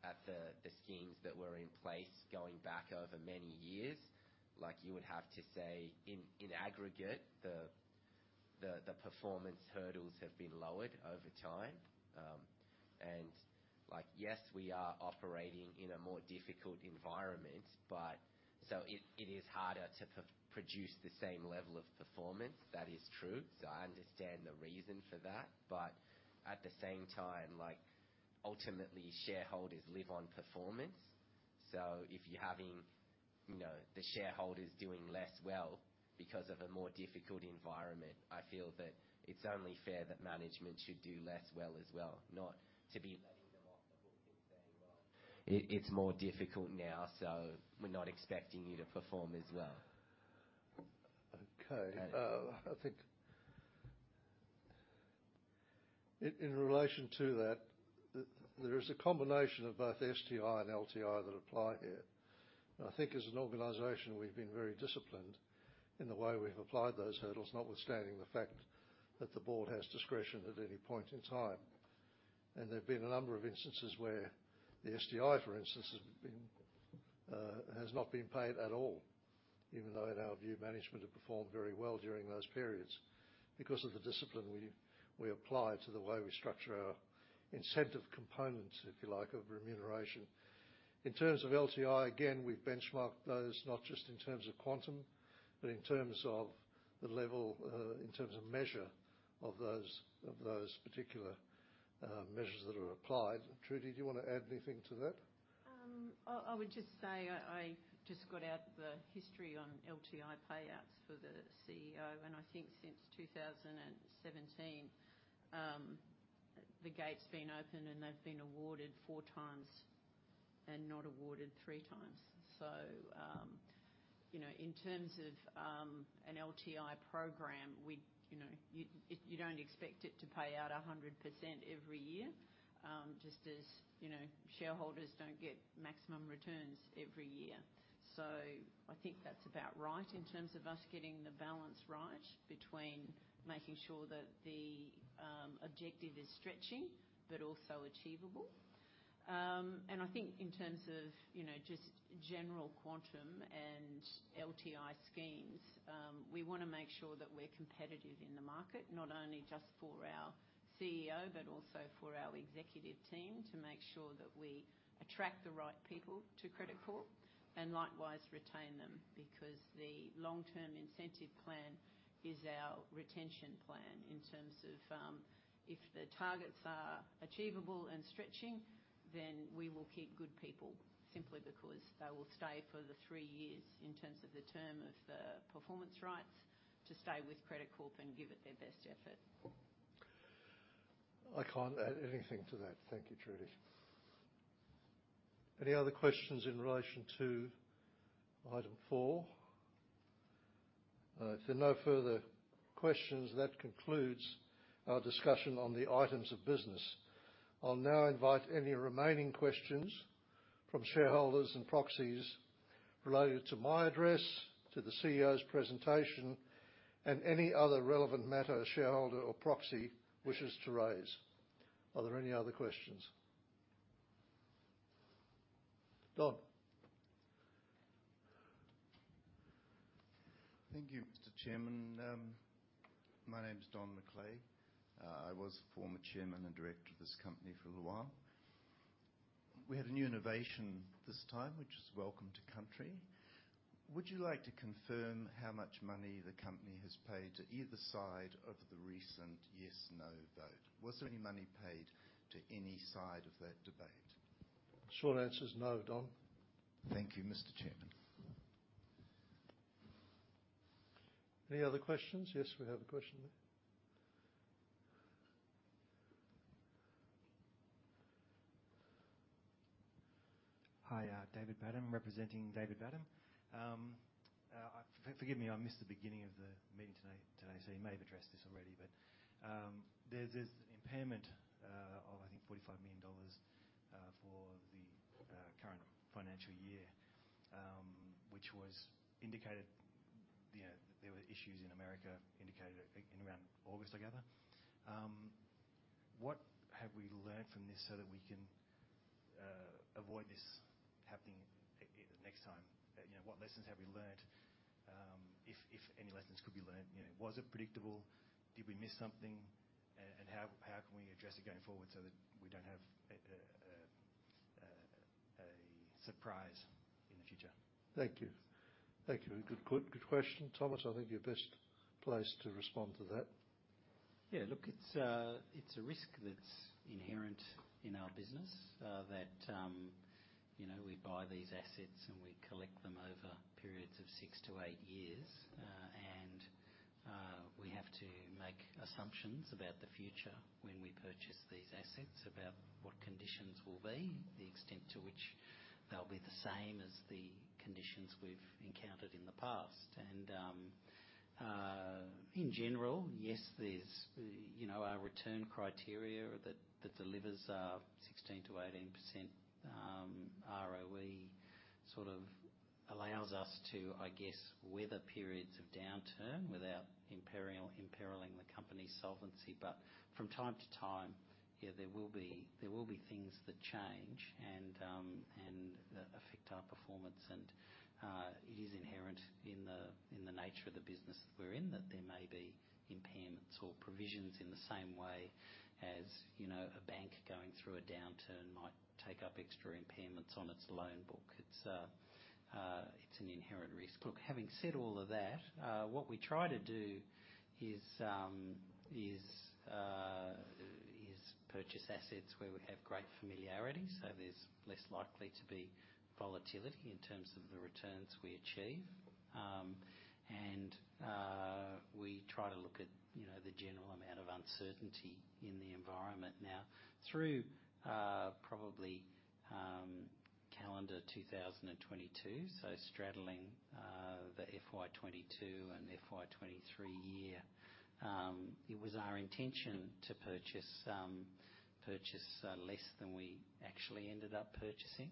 at the schemes that were in place going back over many years, like, you would have to say, in aggregate, the performance hurdles have been lowered over time. And, like, yes, we are operating in a more difficult environment, but. So it is harder to produce the same level of performance. That is true. So I understand the reason for that. But at the same time, like, ultimately, shareholders live on performance. So if you're having, you know, the shareholders doing less well because of a more difficult environment, I feel that it's only fair that management should do less well as well, not to be letting them off the hook and saying, "Well, it's more difficult now, so we're not expecting you to perform as well. Okay. Okay. I think... In relation to that, there is a combination of both STI and LTI that apply here. And I think as an organization, we've been very disciplined in the way we've applied those hurdles, notwithstanding the fact that the board has discretion at any point in time. And there have been a number of instances where the STI, for instance, has been, has not been paid at all, even though, in our view, management had performed very well during those periods. Because of the discipline we apply to the way we structure our incentive components, if you like, of remuneration. In terms of LTI, again, we've benchmarked those, not just in terms of quantum, but in terms of the level, in terms of measure of those particular measures that are applied. Trudy, do you want to add anything to that? I would just say, I just got out the history on LTI payouts for the CEO, and I think since 2017, the gate's been open, and they've been awarded four times and not awarded three times. So, you know, in terms of an LTI program, we, you know, you don't expect it to pay out 100% every year, just as, you know, shareholders don't get maximum returns every year. So I think that's about right in terms of us getting the balance right between making sure that the objective is stretching but also achievable. I think in terms of, you know, just general quantum and LTI schemes, we wanna make sure that we're competitive in the market, not only just for our CEO, but also for our executive team, to make sure that we attract the right people to Credit Corp and likewise retain them, because the long-term incentive plan is our retention plan in terms of, if the targets are achievable and stretching, then we will keep good people simply because they will stay for the three years in terms of the term of the performance rights to stay with Credit Corp and give it their best effort. I can't add anything to that. Thank you, Trudy. Any other questions in relation to Item four? If there are no further questions, that concludes our discussion on the items of business. I'll now invite any remaining questions from shareholders and proxies related to my address, to the CEO's presentation, and any other relevant matter shareholder or proxy wishes to raise. Are there any other questions? Don. Thank you, Mr. Chairman. My name is Don McLay. I was former chairman and director of this company for a little while. We have a new innovation this time, which is Welcome to Country. Would you like to confirm how much money the company has paid to either side of the recent Yes, No vote? Was there any money paid to any side of that debate? Short answer is no, Don. Thank you, Mr. Chairman. Any other questions? Yes, we have a question there. Hi, David Badham, representing David Badham. Forgive me, I missed the beginning of the meeting today, so you may have addressed this already, but there's this impairment of, I think, AUD 45 million for the current financial year, which was indicated, you know, there were issues in America, indicated, I think, in around August, I gather. What have we learned from this so that we can avoid this happening next time? You know, what lessons have we learned, if any lessons could be learned? You know, was it predictable? Did we miss something? And how can we address it going forward so that we don't have a surprise in the future? Thank you. Thank you. Good, good, good question. Thomas, I think you're best placed to respond to that. Yeah, look, it's, it's a risk that's inherent in our business, that, you know, we buy these assets, and we collect them over periods of six to eight years. And, we have to make assumptions about the future when we purchase these assets, about what conditions will be, the extent to which they'll be the same as the conditions we've encountered in the past. And, in general, yes, there's, you know, our return criteria that, that delivers, 16%-18%, ROE, sort of allows us to, I guess, weather periods of downturn without imperiling, imperiling the company's solvency. But from time to time, yeah, there will be, there will be things that change and, and, that affect our performance. It is inherent in the nature of the business we're in that there may be impairments or provisions in the same way as, you know, a bank going through a downturn might take up extra impairments on its loan book. It's an inherent risk. Look, having said all of that, what we try to do is purchase assets where we have great familiarity, so there's less likely to be volatility in terms of the returns we achieve. We try to look at, you know, the general amount of uncertainty in the environment. Now, through probably calendar 2022, so straddling the FY 2022 and FY 2023 year, it was our intention to purchase less than we actually ended up purchasing.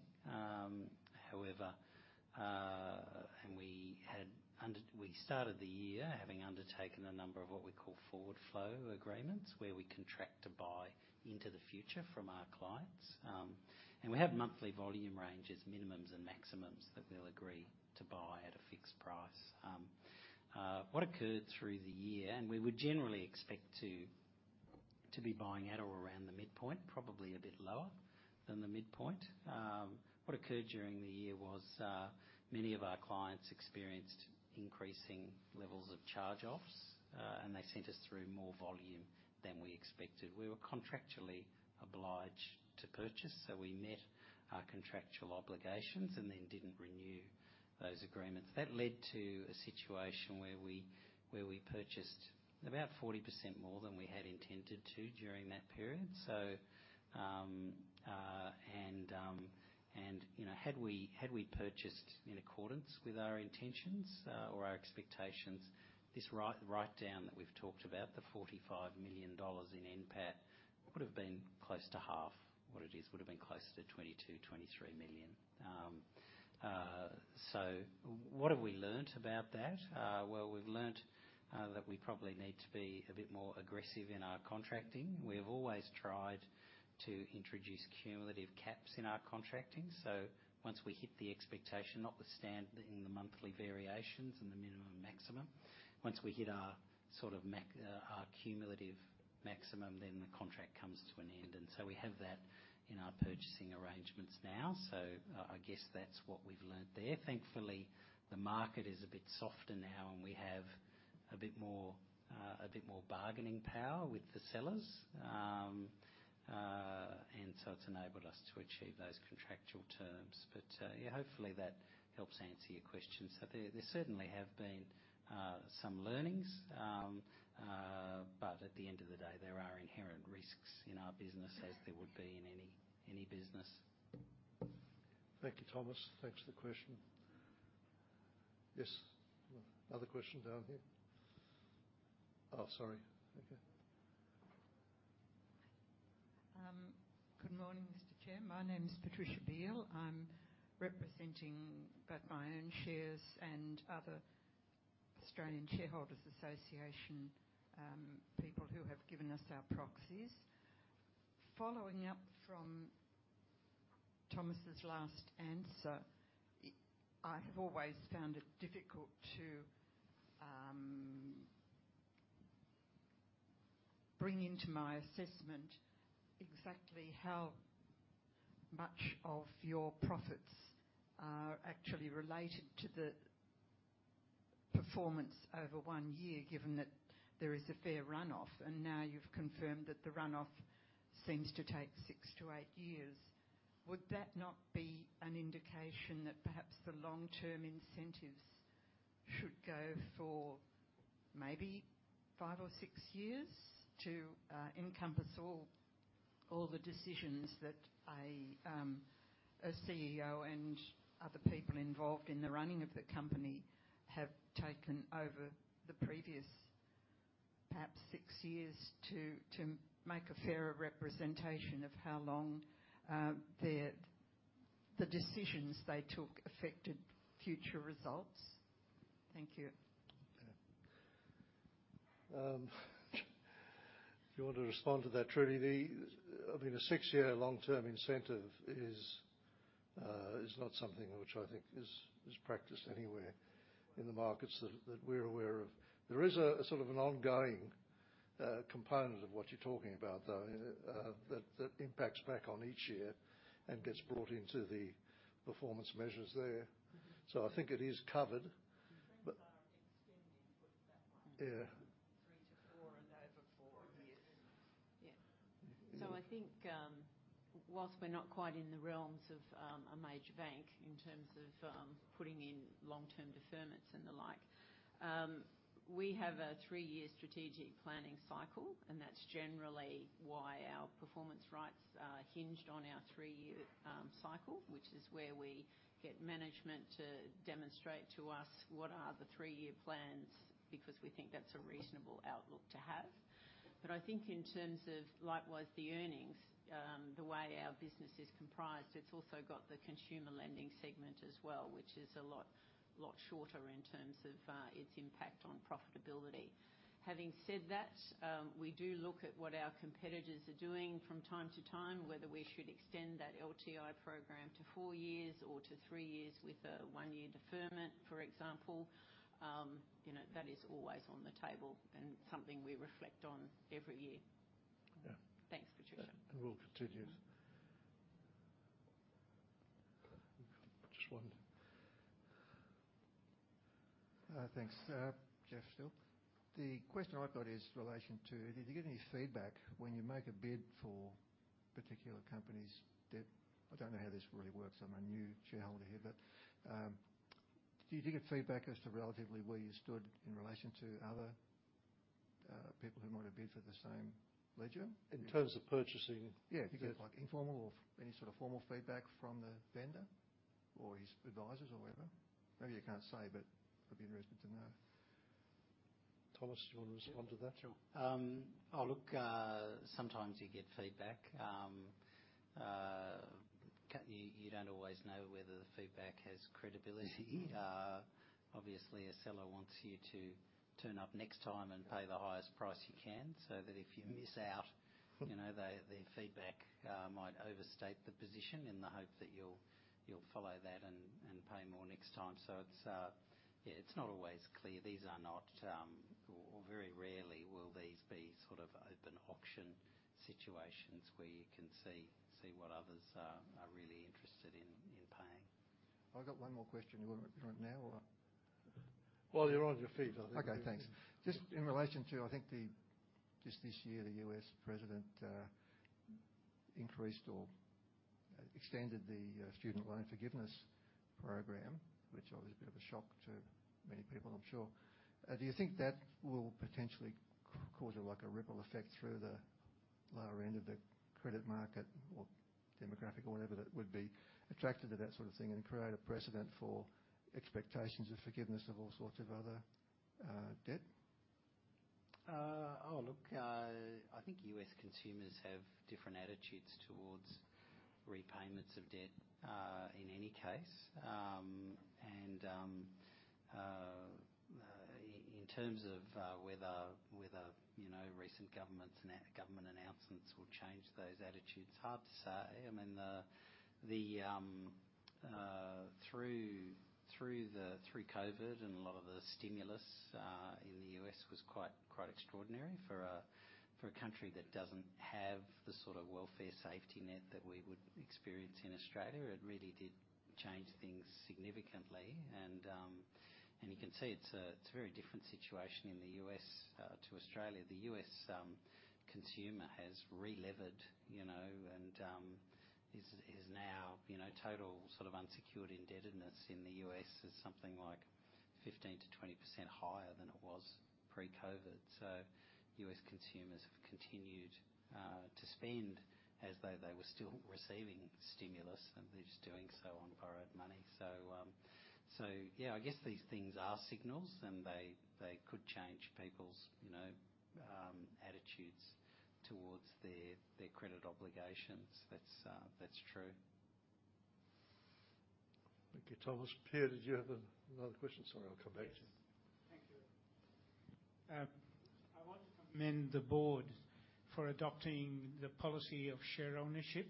However, we started the year having undertaken a number of what we call forward flow agreements, where we contract to buy into the future from our clients. We have monthly volume ranges, minimums, and maximums that we'll agree to buy at a fixed price. What occurred through the year, and we would generally expect to be buying at or around the midpoint, probably a bit lower than the midpoint. What occurred during the year was many of our clients experienced increasing levels of charge-offs, and they sent us through more volume than we expected. We were contractually obliged to purchase, so we met our contractual obligations and then didn't renew those agreements. That led to a situation where we purchased about 40% more than we had intended to during that period. So, you know, had we, had we purchased in accordance with our intentions, or our expectations, this write-down that we've talked about, the 45 million dollars in NPAT, would have been close to half what it is, would have been closer to 22-23 million. So what have we learnt about that? Well, we've learnt that we probably need to be a bit more aggressive in our contracting. We have always tried to introduce cumulative caps in our contracting, so once we hit the expectation, notwithstanding the monthly variations and the minimum maximum, once we hit our sort of max, our cumulative maximum, then the contract comes to an end. And so we have that in our purchasing arrangements now. So I guess that's what we've learnt there. Thankfully, the market is a bit softer now, and we have a bit more bargaining power with the sellers. And so it's enabled us to achieve those contractual terms. But, yeah, hopefully that helps answer your question. So there, there certainly have been some learnings. But at the end of the day, there are inherent risks in our business, as there would be in any, any business. Thank you, Thomas. Thanks for the question. Yes, another question down here. Oh, sorry. Okay. Good morning, Mr. Chair. My name is Patricia Beale. I'm representing both my own shares and other Australian Shareholders' Association people who have given us our proxies. Following up from Thomas's last answer, I have always found it difficult to bring into my assessment exactly how much of your profits are actually related to the performance over one year, given that there is a fair runoff, and now you've confirmed that the runoff seems to take 6-8 years. Would that not be an indication that perhaps the long-term incentives should go for maybe five or six years to, encompass all, all the decisions that a, a CEO and other people involved in the running of the company have taken over the previous, perhaps six years, to, to make a fairer representation of how long, the, the decisions they took affected future results? Thank you. Yeah. You want to respond to that, Trudy? I mean, a six-year long-term incentive is not something which I think is practiced anywhere in the markets that we're aware of. There is a sort of an ongoing component of what you're talking about, though, that impacts back on each year and gets brought into the performance measures there. Mm-hmm. I think it is covered, but- Things are extending, put it that way. Yeah. 3-4 and over 4 years. Yeah. Mm-hmm. So I think, while we're not quite in the realms of a major bank in terms of putting in long-term deferments and the like, we have a 3-year strategic planning cycle, and that's generally why our performance rights are hinged on our 3-year cycle, which is where we get management to demonstrate to us what are the 3-year plans, because we think that's a reasonable outlook to have. But I think in terms of likewise, the earnings, the way our business is comprised, it's also got the consumer lending segment as well, which is a lot, lot shorter in terms of its impact on profitability. Having said that, we do look at what our competitors are doing from time to time, whether we should extend that LTI program to 4 years or to 3 years with a 1-year deferment, for example. you know, that is always on the table and something we reflect on every year. Yeah. Thanks, Patricia. We'll continue. Just one. Thanks. Jeff Still. The question I've got is in relation to, did you get any feedback when you make a bid for particular companies' debt? I don't know how this really works. I'm a new shareholder here, but, do you get feedback as to relatively where you stood in relation to other, people who might have bid for the same ledger? In terms of purchasing? Yeah. Yeah. Do you get, like, informal or any sort of formal feedback from the vendor or his advisors or whoever? Maybe you can't say, but I'd be interested to know. Thomas, do you want to respond to that? Sure. Oh, look, sometimes you get feedback. You don't always know whether the feedback has credibility. Obviously, a seller wants you to turn up next time and pay the highest price you can, so that if you miss out, you know, the feedback might overstate the position in the hope that you'll follow that and pay more next time. So it's, yeah, it's not always clear. These are not, or very rarely will these be sort of open auction situations where you can see what others are really interested in.... I've got one more question. You want it, you want it now, or what? While you're on your feet, I think. Okay, thanks. Just in relation to, I think the, just this year, the U.S. president increased or extended the student loan forgiveness program, which was a bit of a shock to many people, I'm sure. Do you think that will potentially cause, like, a ripple effect through the lower end of the credit market or demographic or whatever, that would be attracted to that sort of thing, and create a precedent for expectations of forgiveness of all sorts of other debt? Look, I think US consumers have different attitudes towards repayments of debt, in any case. And, in terms of whether you know, recent governments and government announcements will change those attitudes, hard to say. I mean, the through COVID and a lot of the stimulus in the US was quite extraordinary for a country that doesn't have the sort of welfare safety net that we would experience in Australia. It really did change things significantly. And you can see it's a very different situation in the US to Australia. The US consumer has relevered, you know, and is now you know, total sort of unsecured indebtedness in the US is something like 15%-20% higher than it was pre-COVID. U.S. consumers have continued to spend as though they were still receiving stimulus, and they're just doing so on borrowed money. So yeah, I guess these things are signals, and they, they could change people's, you know, attitudes towards their, their credit obligations. That's, that's true. Thank you, Thomas. Pia, did you have another question? Sorry, I'll come back to you. Yes. Thank you. I want to commend the board for adopting the policy of share ownership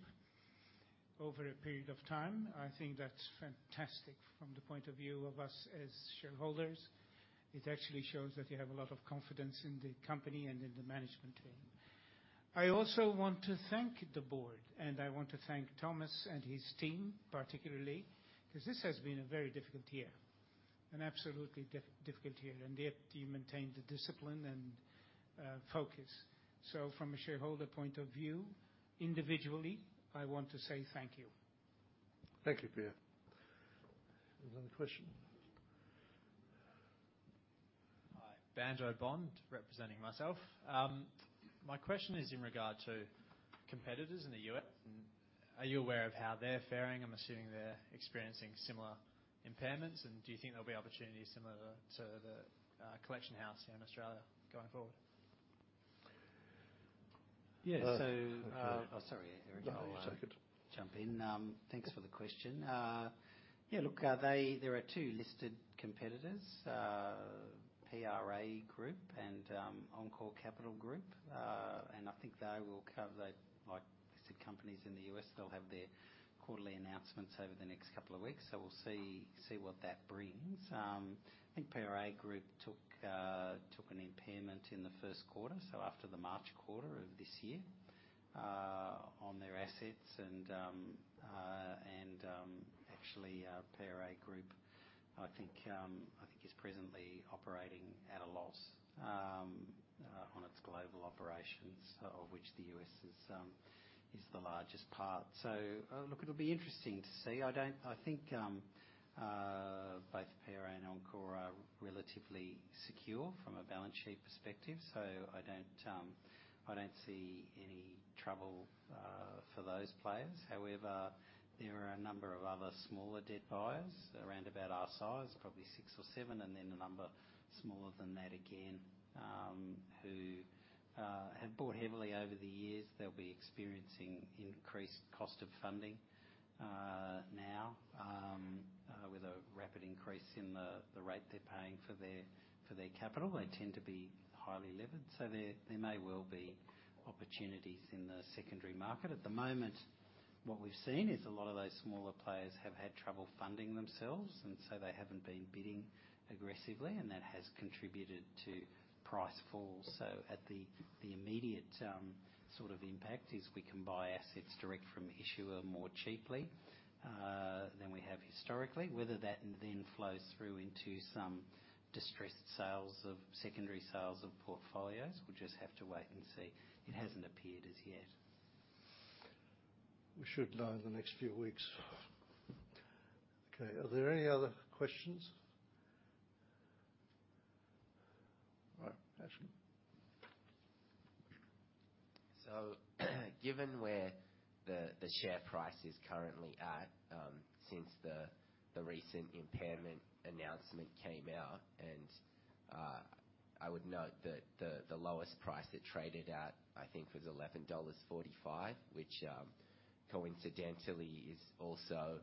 over a period of time. I think that's fantastic from the point of view of us as shareholders. It actually shows that you have a lot of confidence in the company and in the management team. I also want to thank the board, and I want to thank Thomas and his team, particularly, 'cause this has been a very difficult year, an absolutely difficult year, and yet you maintained the discipline and focus. So from a shareholder point of view, individually, I want to say thank you. Thank you, Pia. Any other question? Hi, Banjo Bond, representing myself. My question is in regard to competitors in the U.S. Are you aware of how they're faring? I'm assuming they're experiencing similar impairments, and do you think there'll be opportunities similar to the, Collection House here in Australia going forward? Yeah, so, Uh- Oh, sorry, Eric. No, take it. I'll jump in. Thanks for the question. Yeah, look, there are two listed competitors, PRA Group and Encore Capital Group. And I think they will cover the like listed companies in the US, they'll have their quarterly announcements over the next couple of weeks, so we'll see what that brings. I think PRA Group took an impairment in the first quarter, so after the March quarter of this year, on their assets and actually PRA Group, I think, is presently operating at a loss on its global operations, of which the US is the largest part. So look, it'll be interesting to see. I don't... I think both PRA and Encore are relatively secure from a balance sheet perspective, so I don't, I don't see any trouble for those players. However, there are a number of other smaller debt buyers around about our size, probably six or seven, and then a number smaller than that again, who have bought heavily over the years. They'll be experiencing increased cost of funding now with a rapid increase in the rate they're paying for their capital. They tend to be highly levered, so there may well be opportunities in the secondary market. At the moment, what we've seen is a lot of those smaller players have had trouble funding themselves, and so they haven't been bidding aggressively, and that has contributed to price falls. So at the immediate sort of impact is we can buy assets direct from the issuer more cheaply than we have historically. Whether that then flows through into some distressed sales of secondary sales of portfolios, we'll just have to wait and see. It hasn't appeared as yet. We should know in the next few weeks. Okay, are there any other questions? All right, Ashkan. Given where the share price is currently at, since the recent impairment announcement came out, I would note that the lowest price it traded at, I think, was 11.45 dollars, which coincidentally is also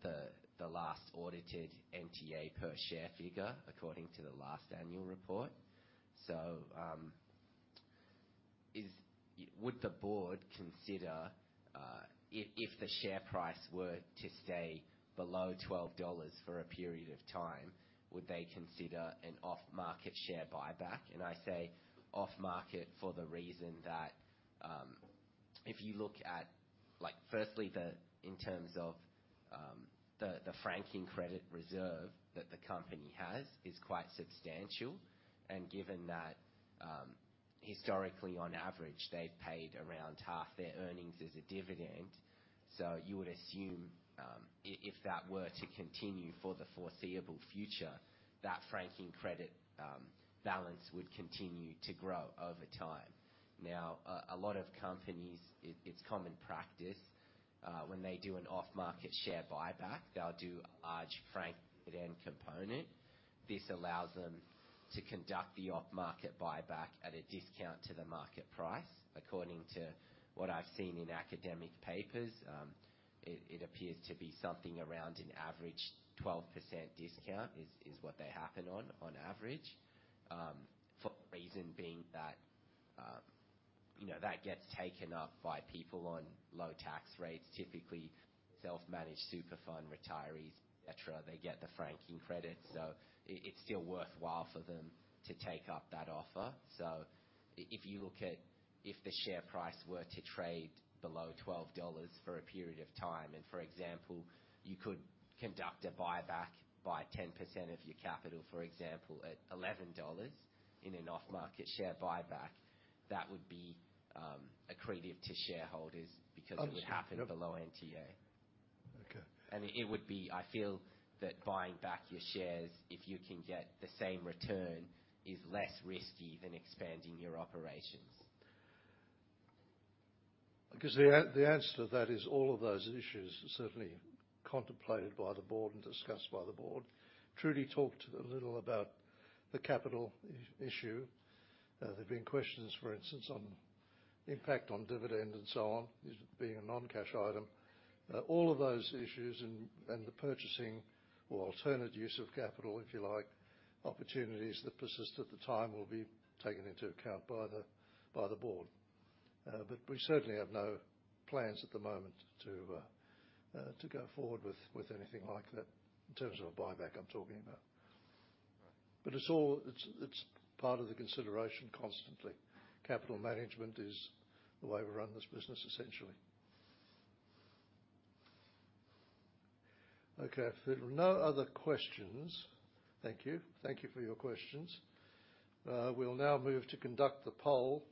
the last audited NTA per share figure, according to the last annual report. Is... Would the board consider, if the share price were to stay below 12 dollars for a period of time, would they consider an off-market share buyback? I say off-market for the reason that, if you look at, like, firstly, in terms of the franking credit reserve that the company has, it is quite substantial. Given that, historically, on average, they've paid around half their earnings as a dividend, so you would assume, if that were to continue for the foreseeable future, that franking credit balance would continue to grow over time. Now, a lot of companies, it's common practice, when they do an off-market share buyback, they'll do a large franked dividend component. This allows them to conduct the off-market buyback at a discount to the market price. According to what I've seen in academic papers, it appears to be something around an average 12% discount is what they happen on, on average. For reason being that, you know, that gets taken up by people on low tax rates, typically self-managed super fund retirees, et cetera. They get the franking credits, so it's still worthwhile for them to take up that offer. So if you look at, if the share price were to trade below 12 dollars for a period of time, and for example, you could conduct a buyback by 10% of your capital, for example, at 11 dollars in an off-market share buyback, that would be accretive to shareholders because it would happen below NTA. Okay. It would be, I feel that buying back your shares, if you can get the same return, is less risky than expanding your operations. Because the answer to that is all of those issues are certainly contemplated by the board and discussed by the board. Trudy talked a little about the capital issue. There have been questions, for instance, on the impact on dividend and so on, this being a non-cash item. All of those issues and the purchasing or alternative use of capital, if you like, opportunities that persist at the time will be taken into account by the board. But we certainly have no plans at the moment to go forward with anything like that, in terms of a buyback I'm talking about. Right. But it's all... it's part of the consideration constantly. Capital management is the way we run this business, essentially. Okay, if there are no other questions... Thank you. Thank you for your questions. We'll now move to conduct the poll,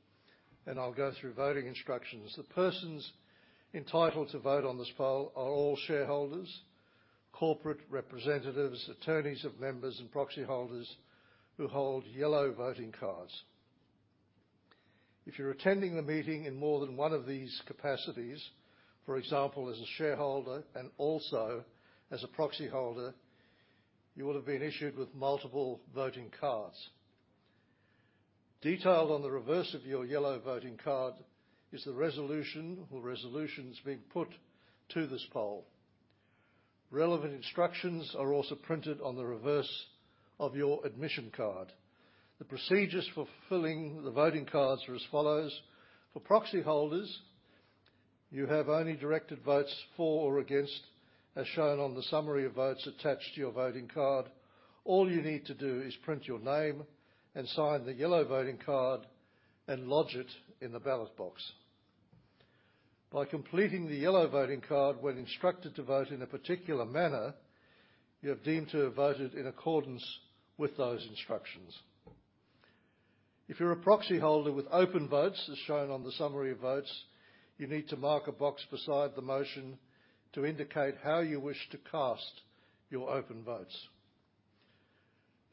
and I'll go through voting instructions. The persons entitled to vote on this poll are all shareholders, corporate representatives, attorneys of members, and proxyholders who hold yellow voting cards. If you're attending the meeting in more than one of these capacities, for example, as a shareholder and also as a proxyholder, you would have been issued with multiple voting cards. Detailed on the reverse of your yellow voting card is the resolution or resolutions being put to this poll. Relevant instructions are also printed on the reverse of your admission card. The procedures for filling the voting cards are as follows: For proxyholders, you have only directed votes for or against, as shown on the summary of votes attached to your voting card. All you need to do is print your name and sign the yellow voting card and lodge it in the ballot box. By completing the yellow voting card when instructed to vote in a particular manner, you are deemed to have voted in accordance with those instructions. If you're a proxyholder with open votes, as shown on the summary of votes, you need to mark a box beside the motion to indicate how you wish to cast your open votes.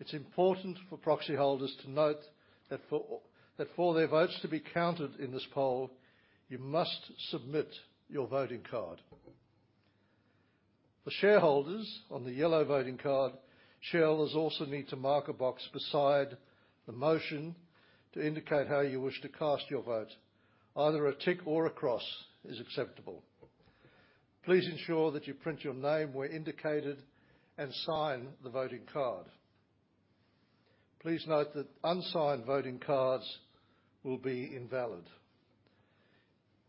It's important for proxyholders to note that, for their votes to be counted in this poll, you must submit your voting card. For shareholders on the yellow voting card, shareholders also need to mark a box beside the motion to indicate how you wish to cast your vote. Either a tick or a cross is acceptable. Please ensure that you print your name where indicated and sign the voting card. Please note that unsigned voting cards will be invalid.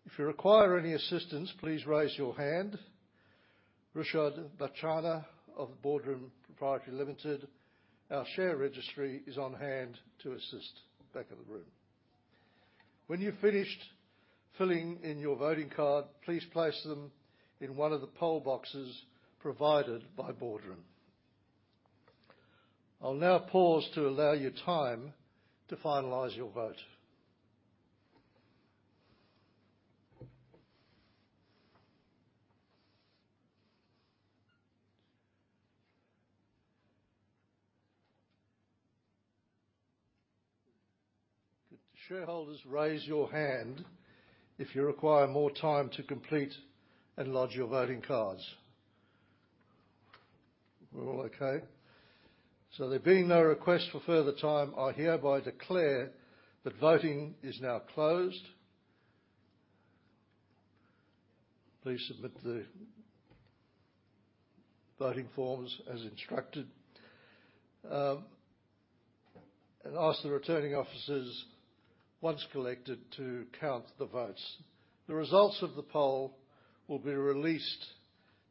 If you require any assistance, please raise your hand. Rishad Vachha of Boardroom Pty Limited, our share registry, is on hand to assist back of the room. When you've finished filling in your voting card, please place them in one of the poll boxes provided by Boardroom. I'll now pause to allow you time to finalize your vote. Could the shareholders raise your hand if you require more time to complete and lodge your voting cards? We're all okay? So there being no request for further time, I hereby declare that voting is now closed. Please submit the voting forms as instructed, and ask the returning officers, once collected, to count the votes. The results of the poll will be released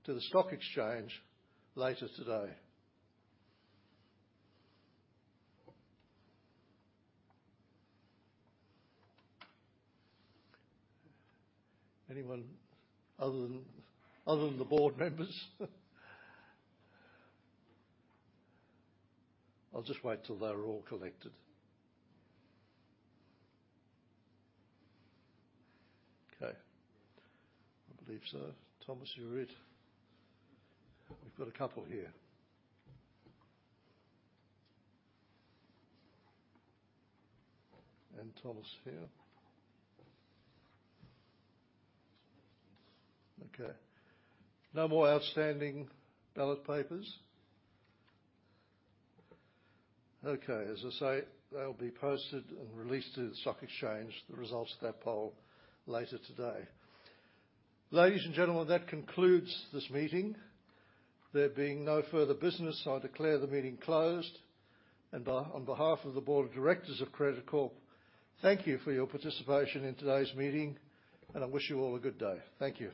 to the stock exchange later today. Anyone other than, other than the board members? I'll just wait till they're all collected. Okay, I believe so. Thomas, you're it. We've got a couple here. And Thomas here. Okay, no more outstanding ballot papers? Okay, as I say, they'll be posted and released to the stock exchange, the results of that poll, later today. Ladies and gentlemen, that concludes this meeting. There being no further business, I declare the meeting closed, and on, on behalf of the Board of Directors of Credit Corp, thank you for your participation in today's meeting, and I wish you all a good day. Thank you.